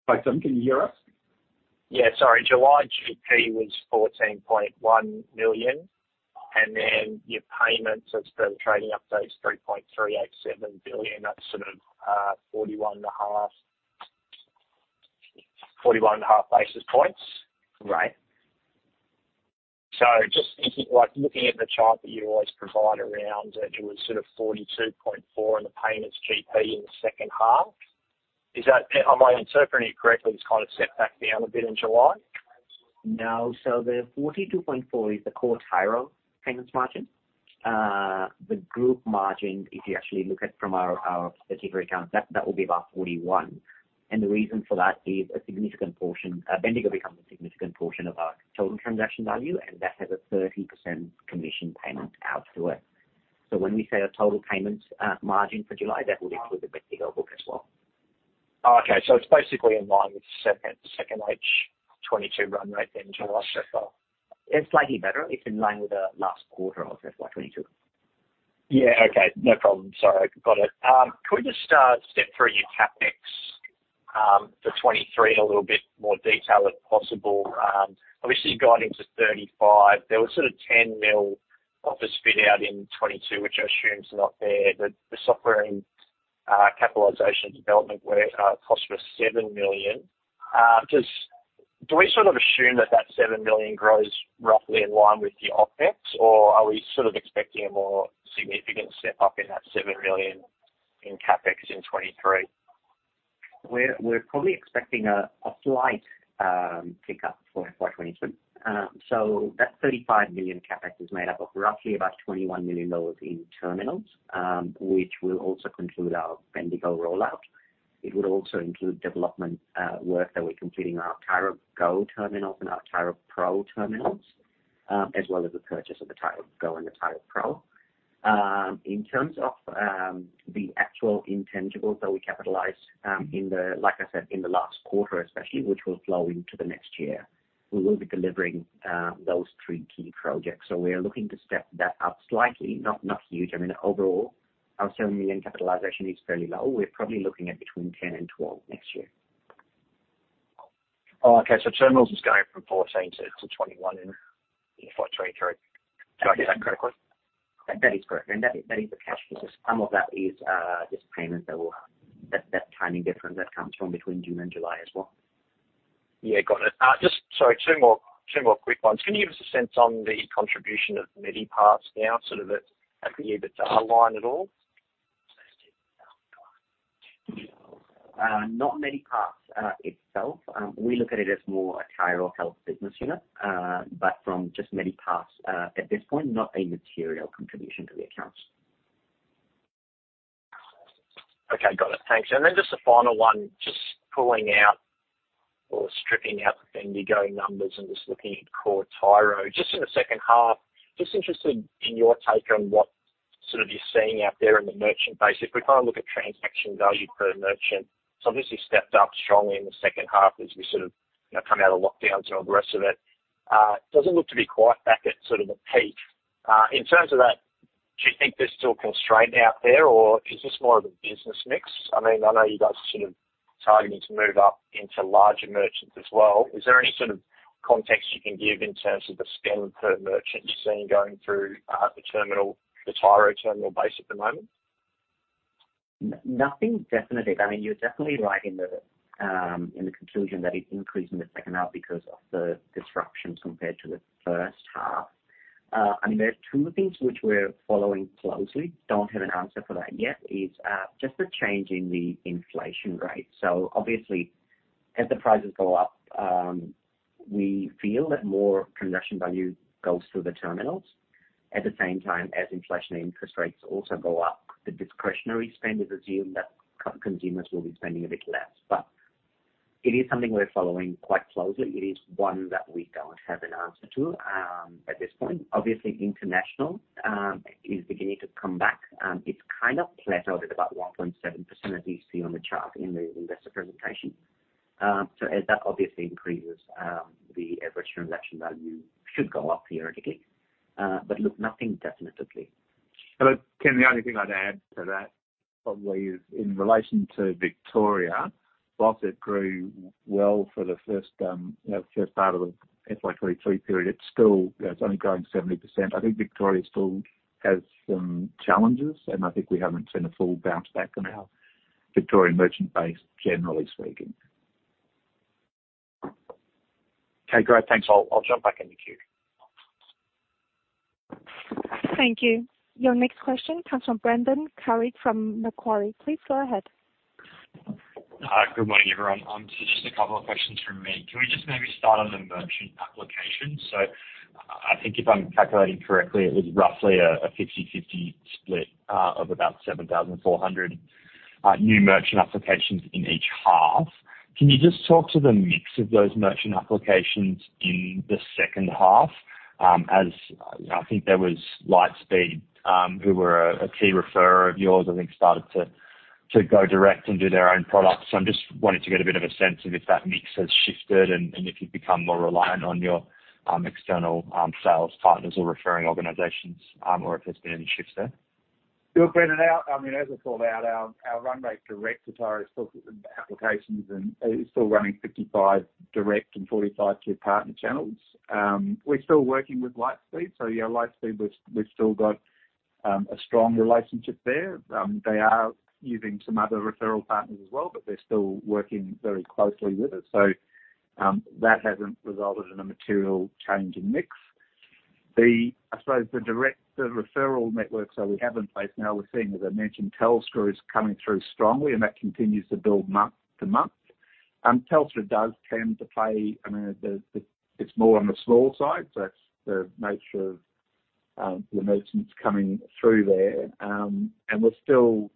Sorry, Tim, can you hear us? Sorry. July GP was 14.1 million, and then your payments as per the trading update is 3.387 billion. That's sort of 41.5 basis points. Right. Just thinking, like, looking at the chart that you always provide around, it was sort of 42.4% in the payments GP in the second half. Is that? Am I interpreting it correctly, it's kind of stepped back down a bit in July? No. The 42.4% is the core Tyro Payments margin. The group margin, if you actually look at from our particular accounts, that will be about 41%. The reason for that is a significant portion, Bendigo becomes a significant portion of our total transaction value, and that has a 30% commission payment out to it. When we say a total payment margin for July, that will include the Bendigo book as well. Oh, okay. It's basically in line with 2H '22 run rate then, July so far. It's slightly better. It's in line with the last quarter of FY22. Yeah, okay. No problem. Sorry. Got it. Could we just step through your CapEx for 2023 in a little bit more detail, if possible? Obviously you're going into 35 million. There was sort of 10 million office fit out in 2022, which I assume is not there. The software and capitalization development work cost was AUD 7 million. Just, do we sort of assume that seven million grows roughly in line with the OpEx, or are we sort of expecting a more significant step up in that seven million in CapEx in 2023? We're probably expecting a slight pickup for FY23. That 35 million CapEx is made up of roughly about 21 million dollars in terminals, which will also conclude our Bendigo rollout. It would also include development work that we're completing on our Tyro Go terminals and our Tyro Pro terminals, as well as the purchase of the Tyro Go and the Tyro Pro. In terms of the actual intangibles that we capitalize, like I said, in the last quarter especially, which will flow into the next year, we will be delivering those three key projects. We are looking to step that up slightly, not huge. I mean, overall, our 7 million capitalization is fairly low. We're probably looking at between 10 and 12 next year. Oh, okay. Terminals is going from 14 to 21 in FY23. Did I get that correctly? That is correct. That is the cash. Because some of that is that timing difference that comes from between June and July as well. Yeah, got it. Just sorry, two more quick ones. Can you give us a sense on the contribution of Medipass now, sort of at the year that's aligned at all? Not Medipass itself. We look at it as more a Tyro Health business unit. From just Medipass at this point, not a material contribution to the accounts. Okay, got it. Thanks. Just a final one, just pulling out or stripping out the Bendigo numbers and just looking at core Tyro. Just in the second half, just interested in your take on what sort of you're seeing out there in the merchant base. If we kind of look at transaction value per merchant, it's obviously stepped up strongly in the second half as we sort of, you know, come out of lockdowns and all the rest of it. Doesn't look to be quite back at sort of a peak. In terms of that, do you think there's still constraint out there, or is this more of a business mix? I mean, I know you guys are sort of targeting to move up into larger merchants as well. Is there any sort of context you can give in terms of the spend per merchant you're seeing going through, the terminal, the Tyro terminal base at the moment? Nothing definitive. I mean, you're definitely right in the conclusion that it increased in the second half because of the disruptions compared to the first half. I mean, there's two things which we're following closely. Don't have an answer for that yet. Is just the change in the inflation rate. Obviously, as the prices go up, we feel that more transaction value goes through the terminals. At the same time, as inflation and interest rates also go up, the discretionary spend is assumed that consumers will be spending a bit less. It is something we're following quite closely. It is one that we don't have an answer to at this point. Obviously, international is beginning to come back. It's kind of plateaued at about 1.7%, as you see on the chart in the investor presentation. As that obviously increases, the average transaction value should go up theoretically. But look, nothing definitively. Hello. Ken, the only thing I'd add to that probably is in relation to Victoria, while it grew well for the first, you know, first part of the FY23 period, it's still, you know, it's only growing 70%. I think Victoria still has some challenges, and I think we haven't seen a full bounce back on our Victorian merchant base, generally speaking. Okay, great. Thanks. I'll jump back in the queue. Thank you. Your next question comes from Brendan Carrig from Macquarie. Please go ahead. Good morning, everyone. Just a couple of questions from me. Can we just maybe start on the merchant application? I think if I'm calculating correctly, it was roughly a 50-50 split of about 7,400 new merchant applications in each half. Can you just talk to the mix of those merchant applications in the second half? I think there was Lightspeed who were a key referrer of yours. I think started to go direct and do their own product. I'm just wanting to get a bit of a sense of if that mix has shifted and if you've become more reliant on your external sales partners or referring organizations, or if there's been any shifts there. Look, Brendan, our run rate direct to Tyro applications is still running 55% direct and 45% through partner channels. We're still working with Lightspeed. Yeah, Lightspeed, we've still got a strong relationship there. They are using some other referral partners as well, but they're still working very closely with us. That hasn't resulted in a material change in mix. I suppose the referral networks that we have in place now, we're seeing, as I mentioned, Telstra is coming through strongly, and that continues to build month to month. Telstra does tend to play. I mean, it's more on the small side. That's the nature of the merchants coming through there. We're still...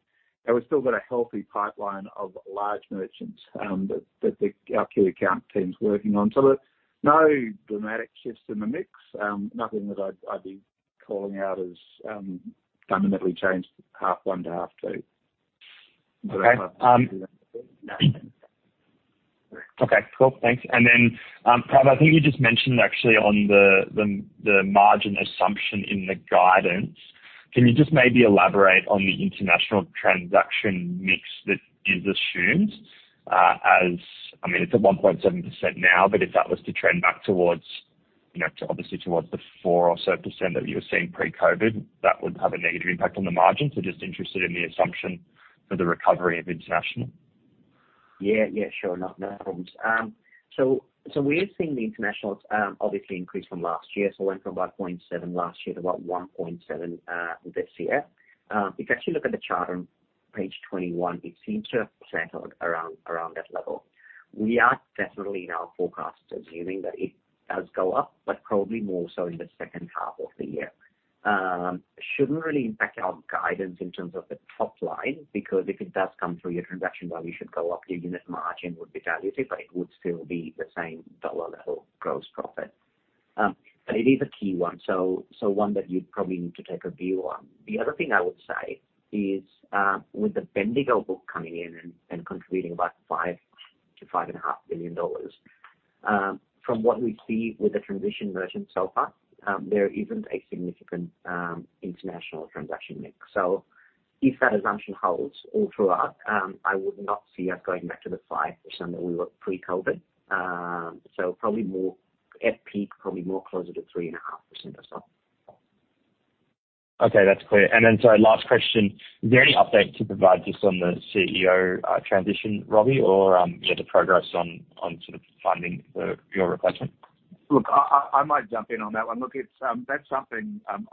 We've still got a healthy pipeline of large merchants, that our key account team's working on. Look, no dramatic shifts in the mix. Nothing that I'd be calling out as fundamentally changed half one to half two. Okay. Cool. Thanks. Prav, I think you just mentioned actually on the margin assumption in the guidance. Can you just maybe elaborate on the international transaction mix that is assumed, I mean, it's at 1.7% now, but if that was to trend back towards, you know, obviously towards the 4% or so that you were seeing pre-COVID, that would have a negative impact on the margin. Just interested in the assumption for the recovery of international. Yeah. Yeah. Sure. No problems. We're seeing the internationals obviously increase from last year. It went from about 0.7% last year to about 1.7% this year. If you actually look at the chart on page 21, it seems to have settled around that level. We are definitely in our forecast assuming that it does go up, but probably more so in the second half of the year. It shouldn't really impact our guidance in terms of the top line, because if it does come through, your transaction value should go up. The unit margin would be dilutive, but it would still be the same dollar level gross profit. It is a key one, so one that you'd probably need to take a view on. The other thing I would say is, with the Bendigo book coming in and contributing about 5 billion-5.5 billion dollars, from what we see with the transition merchants so far, there isn't a significant international transaction mix. If that assumption holds all throughout, I would not see us going back to the 5% that we were pre-COVID. So probably more at peak, probably more closer to 3.5% or so. Okay, that's clear. Last question. Is there any update to provide just on the CEO transition, Robbie, or the progress on sort of finding your replacement? Look, I might jump in on that one. Look, it's. That's something I'm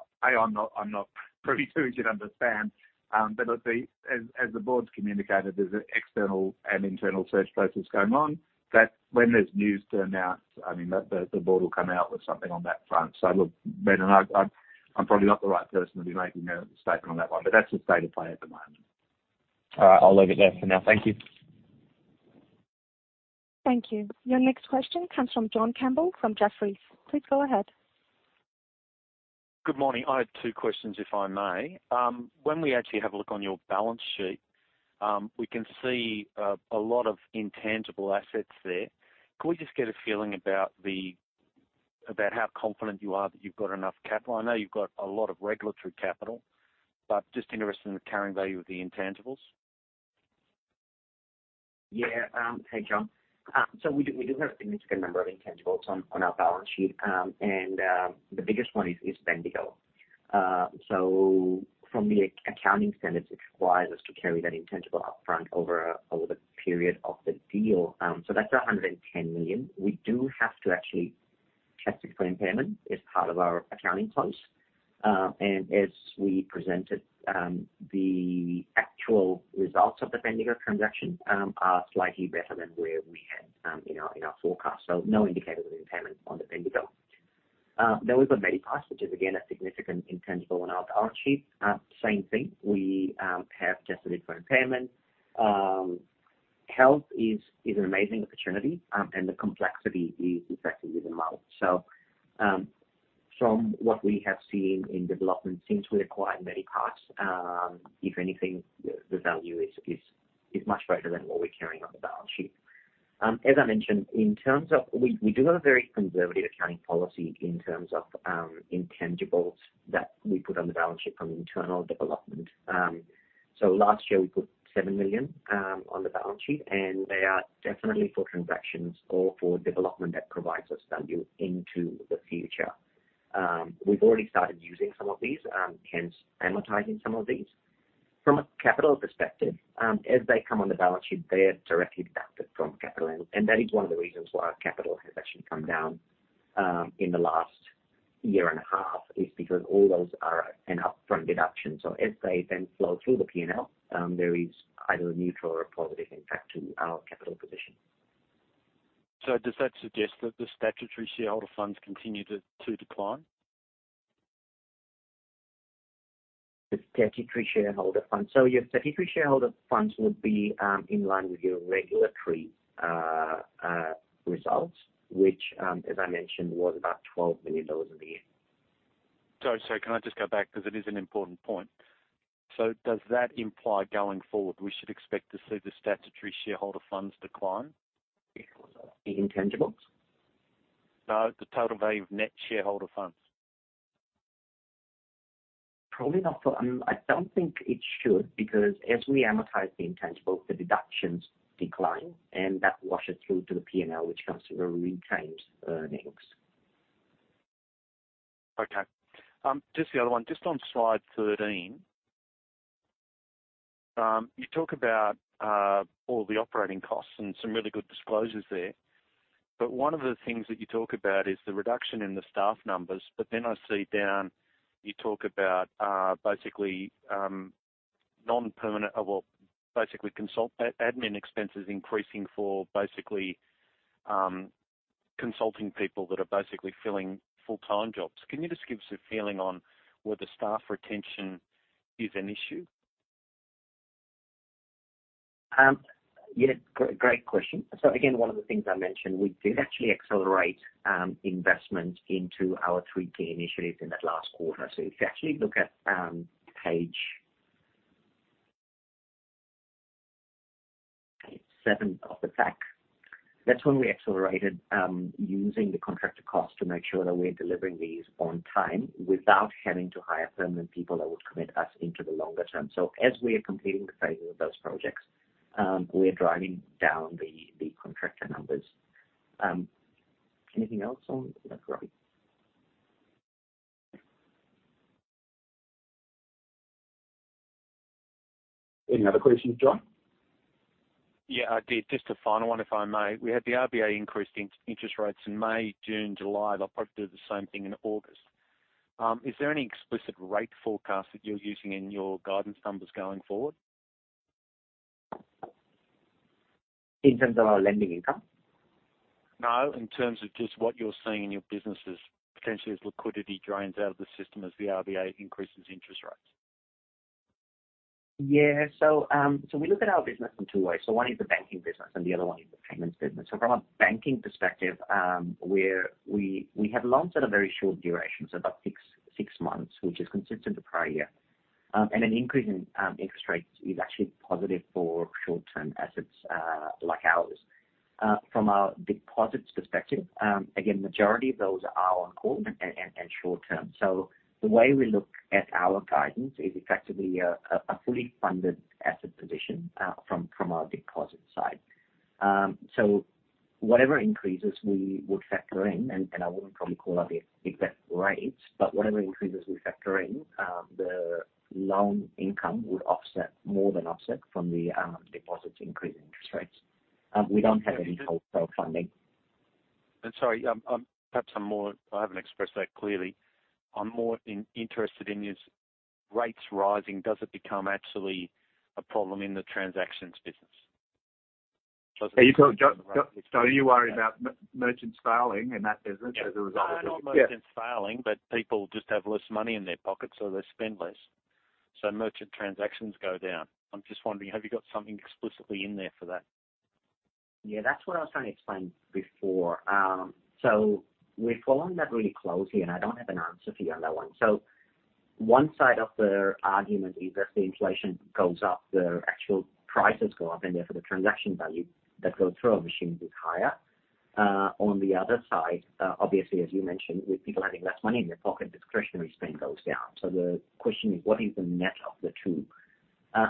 not privy to, as you'd understand. But look, as the board's communicated, there's an external and internal search process going on. That when there's news to announce, I mean, the board will come out with something on that front. Look, Brendan, I'm probably not the right person to be making a statement on that one, but that's the state of play at the moment. All right. I'll leave it there for now. Thank you. Thank you. Your next question comes from John Campbell from Jefferies. Please go ahead. Good morning. I have two questions, if I may. When we actually have a look on your balance sheet, we can see a lot of intangible assets there. Can we just get a feeling about how confident you are that you've got enough capital? I know you've got a lot of regulatory capital, but just interested in the carrying value of the intangibles. Yeah. Hey, John. We do have a significant number of intangibles on our balance sheet. The biggest one is Bendigo. From the accounting standards, it requires us to carry that intangible upfront over the period of the deal. That's 110 million. We do have to actually test it for impairment as part of our accounting close. As we presented, the actual results of the Bendigo transaction are slightly better than where we had in our forecast. No indicator of impairment on the Bendigo. We've got Medipass, which is again a significant intangible on our sheet. Same thing. We have tested it for impairment. Health is an amazing opportunity, and the complexity is actually the model. From what we have seen in development since we acquired Medipass, if anything, the value is much greater than what we're carrying on the balance sheet. As I mentioned, we do have a very conservative accounting policy in terms of intangibles that we put on the balance sheet from internal development. Last year, we put 7 million on the balance sheet, and they are definitely for transactions or for development that provides us value into the future. We've already started using some of these, hence amortizing some of these. From a capital perspective, as they come on the balance sheet, they're directly deducted from capital. That is one of the reasons why our capital has actually come down in the last year and a half, is because all those are an upfront deduction. As they then flow through the P&L, there is either a neutral or a positive impact to our capital position. Does that suggest that the statutory shareholder funds continue to decline? The statutory shareholder funds. Your statutory shareholder funds would be in line with your regulatory results, which, as I mentioned, was about 12 million dollars a year. Sorry, can I just go back? Because it is an important point. Does that imply, going forward, we should expect to see the statutory shareholder funds decline? The intangibles? No, the total value of net shareholder funds. Probably not. I don't think it should, because as we amortize the intangibles, the deductions decline, and that washes through to the P&L, which comes to our retained earnings. Okay. Just the other one, just on slide 13. You talk about all the operating costs and some really good disclosures there. One of the things that you talk about is the reduction in the staff numbers. I see down, you talk about basically non-permanent or, well, basically admin expenses increasing for basically consulting people that are basically filling full-time jobs. Can you just give us a feeling on whether staff retention is an issue? Yeah, great question. Again, one of the things I mentioned, we did actually accelerate investment into our three key initiatives in that last quarter. If you actually look at page seven of the pack, that's when we accelerated using the contractor costs to make sure that we're delivering these on time without having to hire permanent people that would commit us into the longer term. As we are completing the phases of those projects, we're driving down the contractor numbers. Anything else on that, Robbie? Any other questions, John? Yeah, I did. Just a final one, if I may. We had the RBA increase the interest rates in May, June, July. They'll probably do the same thing in August. Is there any explicit rate forecast that you're using in your guidance numbers going forward? In terms of our lending income? No, in terms of just what you're seeing in your businesses, potentially as liquidity drains out of the system as the RBA increases interest rates. We look at our business in two ways. One is the banking business and the other one is the payments business. From a banking perspective, we have loans that are very short duration, so about six months, which is consistent with prior year. An increase in interest rates is actually positive for short-term assets like ours. From a deposits perspective, again, majority of those are on call and short term. The way we look at our guidance is effectively a fully funded asset position from a deposit side. Whatever increases we would factor in, and I wouldn't probably call out the exact rates, but whatever increases we factor in, the loan income would offset, more than offset from the deposits increase in interest rates. We don't have any wholesale funding. Sorry, I haven't expressed that clearly. I'm more interested in is rates rising, does it become actually a problem in the transactions business? Are you, John, are you worried about merchants failing in that business as a result of this? Yeah. No, not merchants failing, but people just have less money in their pockets, so they spend less. Merchant transactions go down. I'm just wondering, have you got something explicitly in there for that? Yeah, that's what I was trying to explain before. We're following that really closely, and I don't have an answer for you on that one. One side of the argument is if the inflation goes up, the actual prices go up, and therefore the transaction value that goes through our machine is higher. On the other side, obviously, as you mentioned, with people having less money in their pocket, discretionary spend goes down. The question is, what is the net of the two?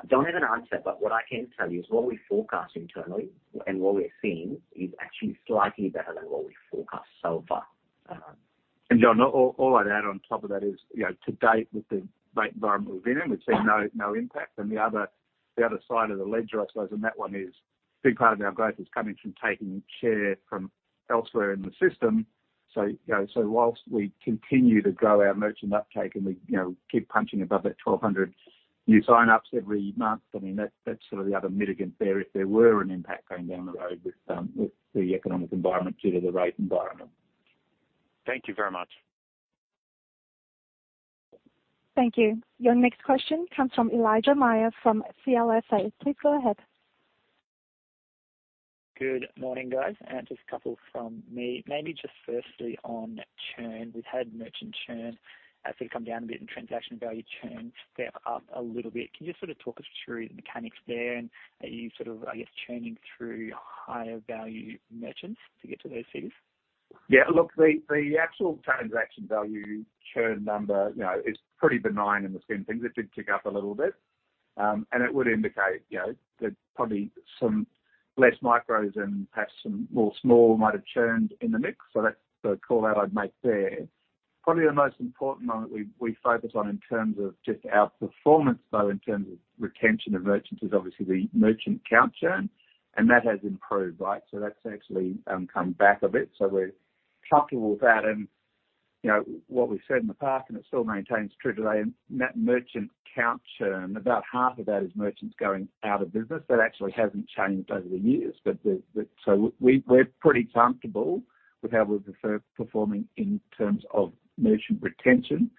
Don't have an answer, but what I can tell you is what we forecast internally and what we're seeing is actually slightly better than what we forecast so far. John, all I'd add on top of that is, you know, to date with the rate environment we've been in, we've seen no impact. The other side of the ledger, I suppose on that one is, big part of our growth is coming from taking share from elsewhere in the system. You know, whilst we continue to grow our merchant uptake and we, you know, keep punching above that 1,200 new signups every month, I mean, that's sort of the other mitigant there, if there were an impact going down the road with the economic environment due to the rate environment. Thank you very much. Thank you. Your next question comes from Elijah Mayr from CLSA. Please go ahead. Good morning, guys. Just a couple from me. Maybe just firstly on churn. We've had merchant churn actually come down a bit, and transaction value churn step up a little bit. Can you just sort of talk us through the mechanics there? Are you sort of, I guess, churning through higher value merchants to get to those figures? Yeah. Look, the actual transaction value churn number, you know, is pretty benign in the scheme of things. It did tick up a little bit. It would indicate, you know, that probably some less micros and perhaps some more small might have churned in the mix. That's the call out I'd make there. Probably the most important one that we focus on in terms of just our performance though, in terms of retention of merchants, is obviously the merchant count churn, and that has improved, right? That's actually come back a bit. We're comfortable with that. You know, what we've said in the past, and it still maintains true today, in that merchant count churn, about half of that is merchants going out of business. That actually hasn't changed over the years. We're pretty comfortable with how we're performing in terms of merchant retention.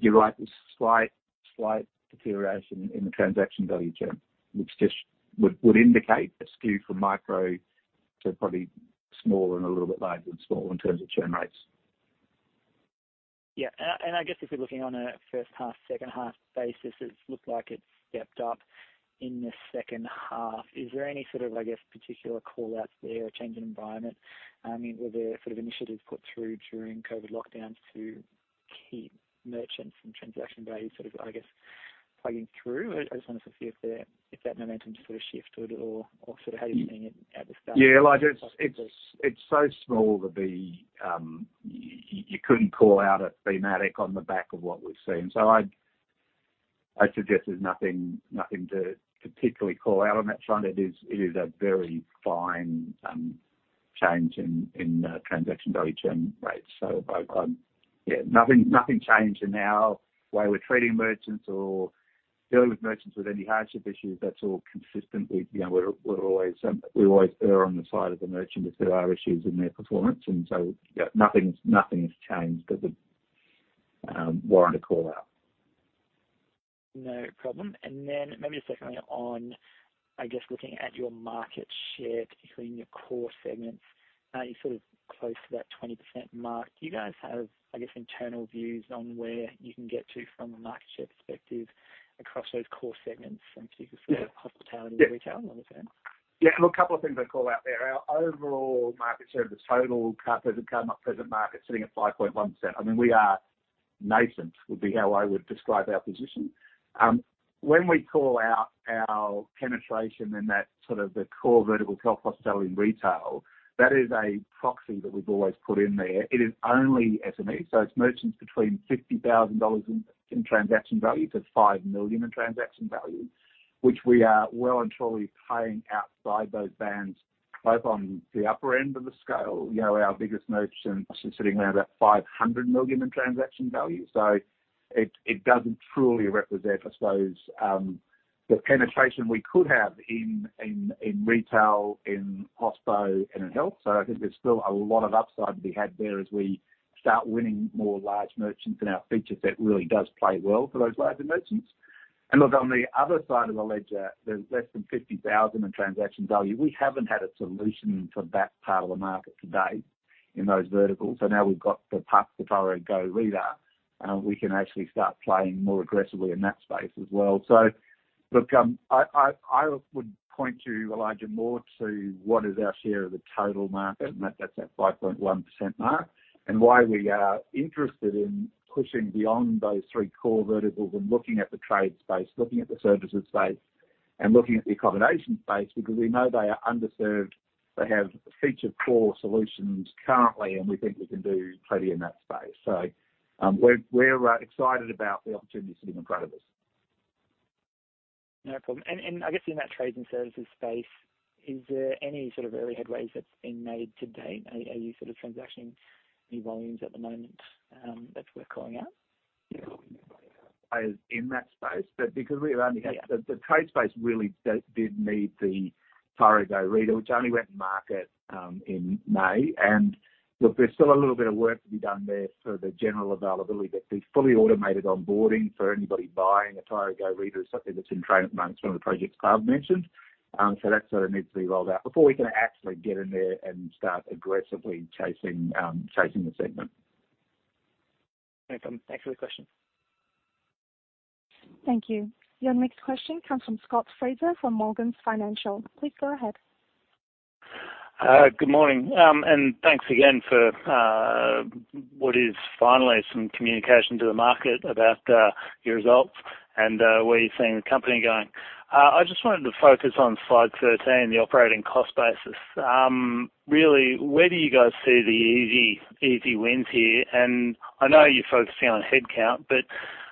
You're right, there's slight deterioration in the transaction value churn, which just would indicate a skew from micro to probably small and a little bit larger than small in terms of churn rates. Yeah. I guess if you're looking on a first half, second half basis, it's looked like it stepped up in the second half. Is there any sort of, I guess, particular call-outs there, a change in environment? I mean, were there sort of initiatives put through during COVID lockdowns to keep merchants and transaction values sort of, I guess, plugging through? I just wanted to see if that momentum sort of shifted at all or sort of how you're seeing it at this stage. Yeah. Like, it's so small to be you couldn't call out a thematic on the back of what we've seen. I'd suggest there's nothing to particularly call out on that front. It is a very fine change in transaction value churn rates. So, yeah, nothing changed in our way with trading merchants or dealing with merchants with any hardship issues. That's all consistent with, you know, we're always we always err on the side of the merchant if there are issues in their performance. Yeah, nothing has changed that would warrant a call-out. No problem. Maybe just secondly on, I guess, looking at your market share, particularly in your core segments. You're sort of close to that 20% mark. Do you guys have, I guess, internal views on where you can get to from a market share perspective across those core segments, in particular? Yeah. for hospitality and retail, understand? Yeah. Look, a couple of things I'd call out there. Our overall market share of the total card present, card not present market sitting at 5.1%. I mean, we are nascent, would be how I would describe our position. When we call out our penetration in that sort of the core vertical, health, hospitality, and retail, that is a proxy that we've always put in there. It is only SME, so it's merchants between 50,000 dollars in transaction value to 5 million in transaction value, which we are well and truly playing outside those bands, both on the upper end of the scale. You know, our biggest merchant is sitting around about 500 million in transaction value. So it doesn't truly represent, I suppose, the penetration we could have in retail, in hospo, and in health. I think there's still a lot of upside to be had there as we start winning more large merchants in our features that really does play well for those larger merchants. Look, on the other side of the ledger, there's less than 50,000 in transaction value. We haven't had a solution for that part of the market to date in those verticals. Now we've got the app, the Tyro Go Reader, we can actually start playing more aggressively in that space as well. Look, I would point to Elijah more to what is our share of the total market, and that's at 5.1% mark, and why we are interested in pushing beyond those three core verticals and looking at the trade space, looking at the services space, and looking at the accommodation space, because we know they are underserved. They have feature-poor solutions currently, and we think we can do plenty in that space. We're excited about the opportunity sitting in front of us. No problem. I guess in that trades and services space, is there any sort of early headway that's been made to date? Are you sort of transacting any volumes at the moment that's worth calling out? In that space, but because we only have. Yeah. The trade space really did need the Tyro Go Reader, which only went to market in May. Look, there's still a little bit of work to be done there for the general availability, but the fully automated onboarding for anybody buying a Tyro Go Reader is something that's in train at the moment. It's one of the projects Prav mentioned. That sort of needs to be rolled out before we can actually get in there and start aggressively chasing the segment. No problem. Thanks for the question. Thank you. Your next question comes from Scott Fraser from Morgans Financial. Please go ahead. Good morning. Thanks again for what is finally some communication to the market about your results and where you're seeing the company going. I just wanted to focus on slide 13, the operating cost basis. Really, where do you guys see the easy wins here? I know you're focusing on headcount, but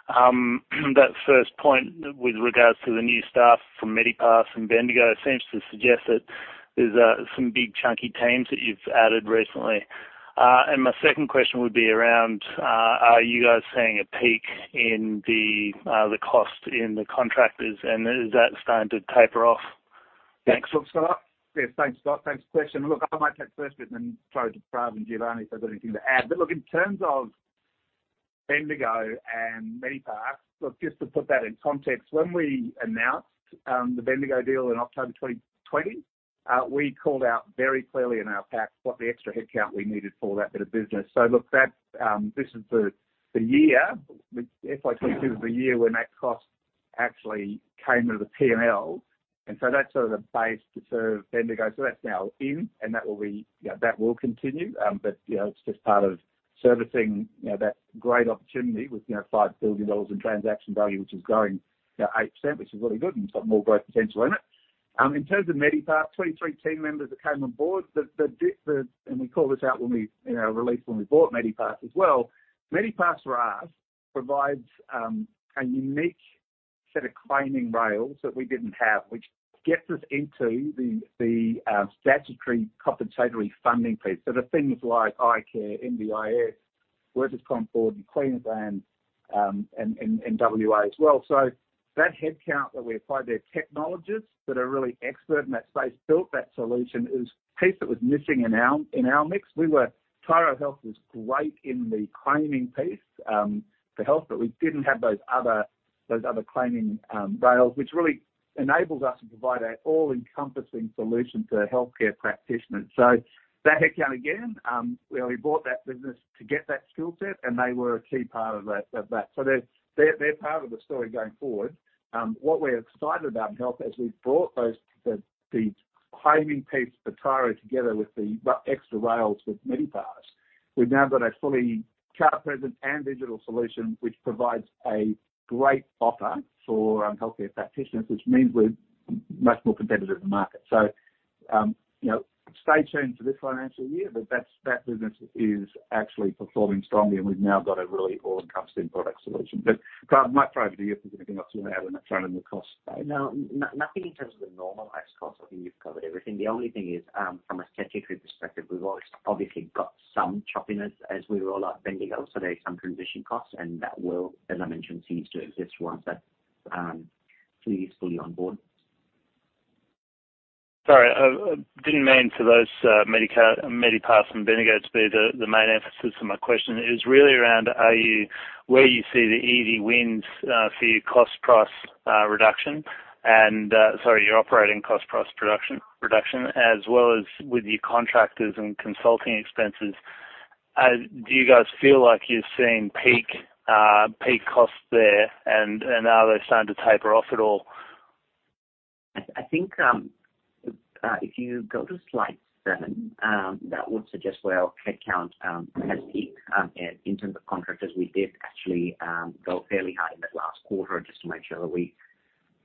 that first point with regards to the new staff from Medipass and Bendigo seems to suggest that there's some big chunky teams that you've added recently. My second question would be around, are you guys seeing a peak in the cost in the contractors, and is that starting to taper off? Thanks. Look, Scott. Yeah, thanks, Scott. Thanks for the question. Look, I might take the first bit and then throw to Prav and Giovanni if they've got anything to add. Look, in terms of Bendigo and Medipass, look, just to put that in context, when we announced the Bendigo deal in October 2020, we called out very clearly in our pack what the extra headcount we needed for that bit of business. Look, that this is the year, which FY22 is the year when that cost actually came into the P&L. That's sort of the base to serve Bendigo. That's now in, and that will be, you know, that will continue. You know, it's just part of servicing, you know, that great opportunity with, you know, 5 billion dollars in transaction value, which is growing, you know, 8%, which is really good, and it's got more growth potential in it. In terms of Medipass, 23 team members that came on board. We called this out when we, in our release when we bought Medipass as well. Medipass for us provides a unique set of claiming rails that we didn't have, which gets us into the statutory compensatory funding piece. The things like eye care, NDIS, WorkCover Queensland, and WA as well. That headcount that we applied there, technologists that are really expert in that space, built that solution is piece that was missing in our mix. Tyro Health was great in the claiming piece for health, but we didn't have those other claiming rails, which really enables us to provide an all-encompassing solution to healthcare practitioners. That headcount, again, you know, we bought that business to get that skill set, and they were a key part of that. They're part of the story going forward. What we're excited about in health is we've brought the claiming piece for Tyro together with the extra rails with Medipass. We've now got a fully card present and digital solution which provides a great offer for healthcare practitioners, which means we're much more competitive in the market. You know, stay tuned for this financial year, but that business is actually performing strongly, and we've now got a really all-encompassing product solution. Prav, might throw over to you if there's anything else you wanna add on that front on the costs. No. Nothing in terms of the normalized costs. I think you've covered everything. The only thing is, from a statutory perspective, we've obviously got some choppiness as we roll out Bendigo, so there is some transition costs, and that will, as I mentioned, cease to exist once that fleet is fully on board. Sorry, didn't mean for those, Medipass from Bendigo Bank to be the main emphasis of my question. It was really around where you see the easy wins for your cost per transaction reduction and, sorry, your operating cost per transaction reduction as well as with your contractors and consulting expenses. Do you guys feel like you're seeing peak costs there, and are they starting to taper off at all? I think if you go to slide 7, that would suggest where our headcount has peaked. In terms of contractors, we did actually go fairly high in that last quarter just to make sure that we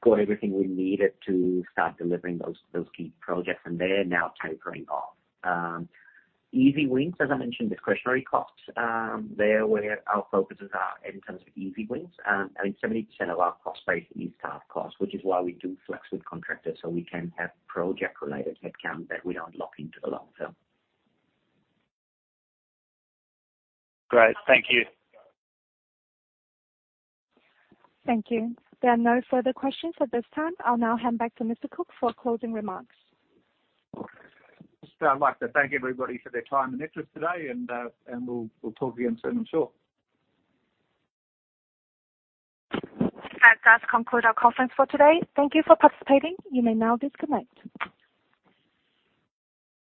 got everything we needed to start delivering those key projects, and they're now tapering off. Easy wins, as I mentioned, discretionary costs, they're where our focuses are in terms of easy wins. I think 70% of our cost base is card cost, which is why we do flex with contractors, so we can have project-related headcount that we don't lock into the long term. Great. Thank you. Thank you. There are no further questions at this time. I'll now hand back to Mr. Cooke for closing remarks. Just, I'd like to thank everybody for their time and interest today, and we'll talk again soon, I'm sure. That does conclude our conference for today. Thank you for participating. You may now disconnect.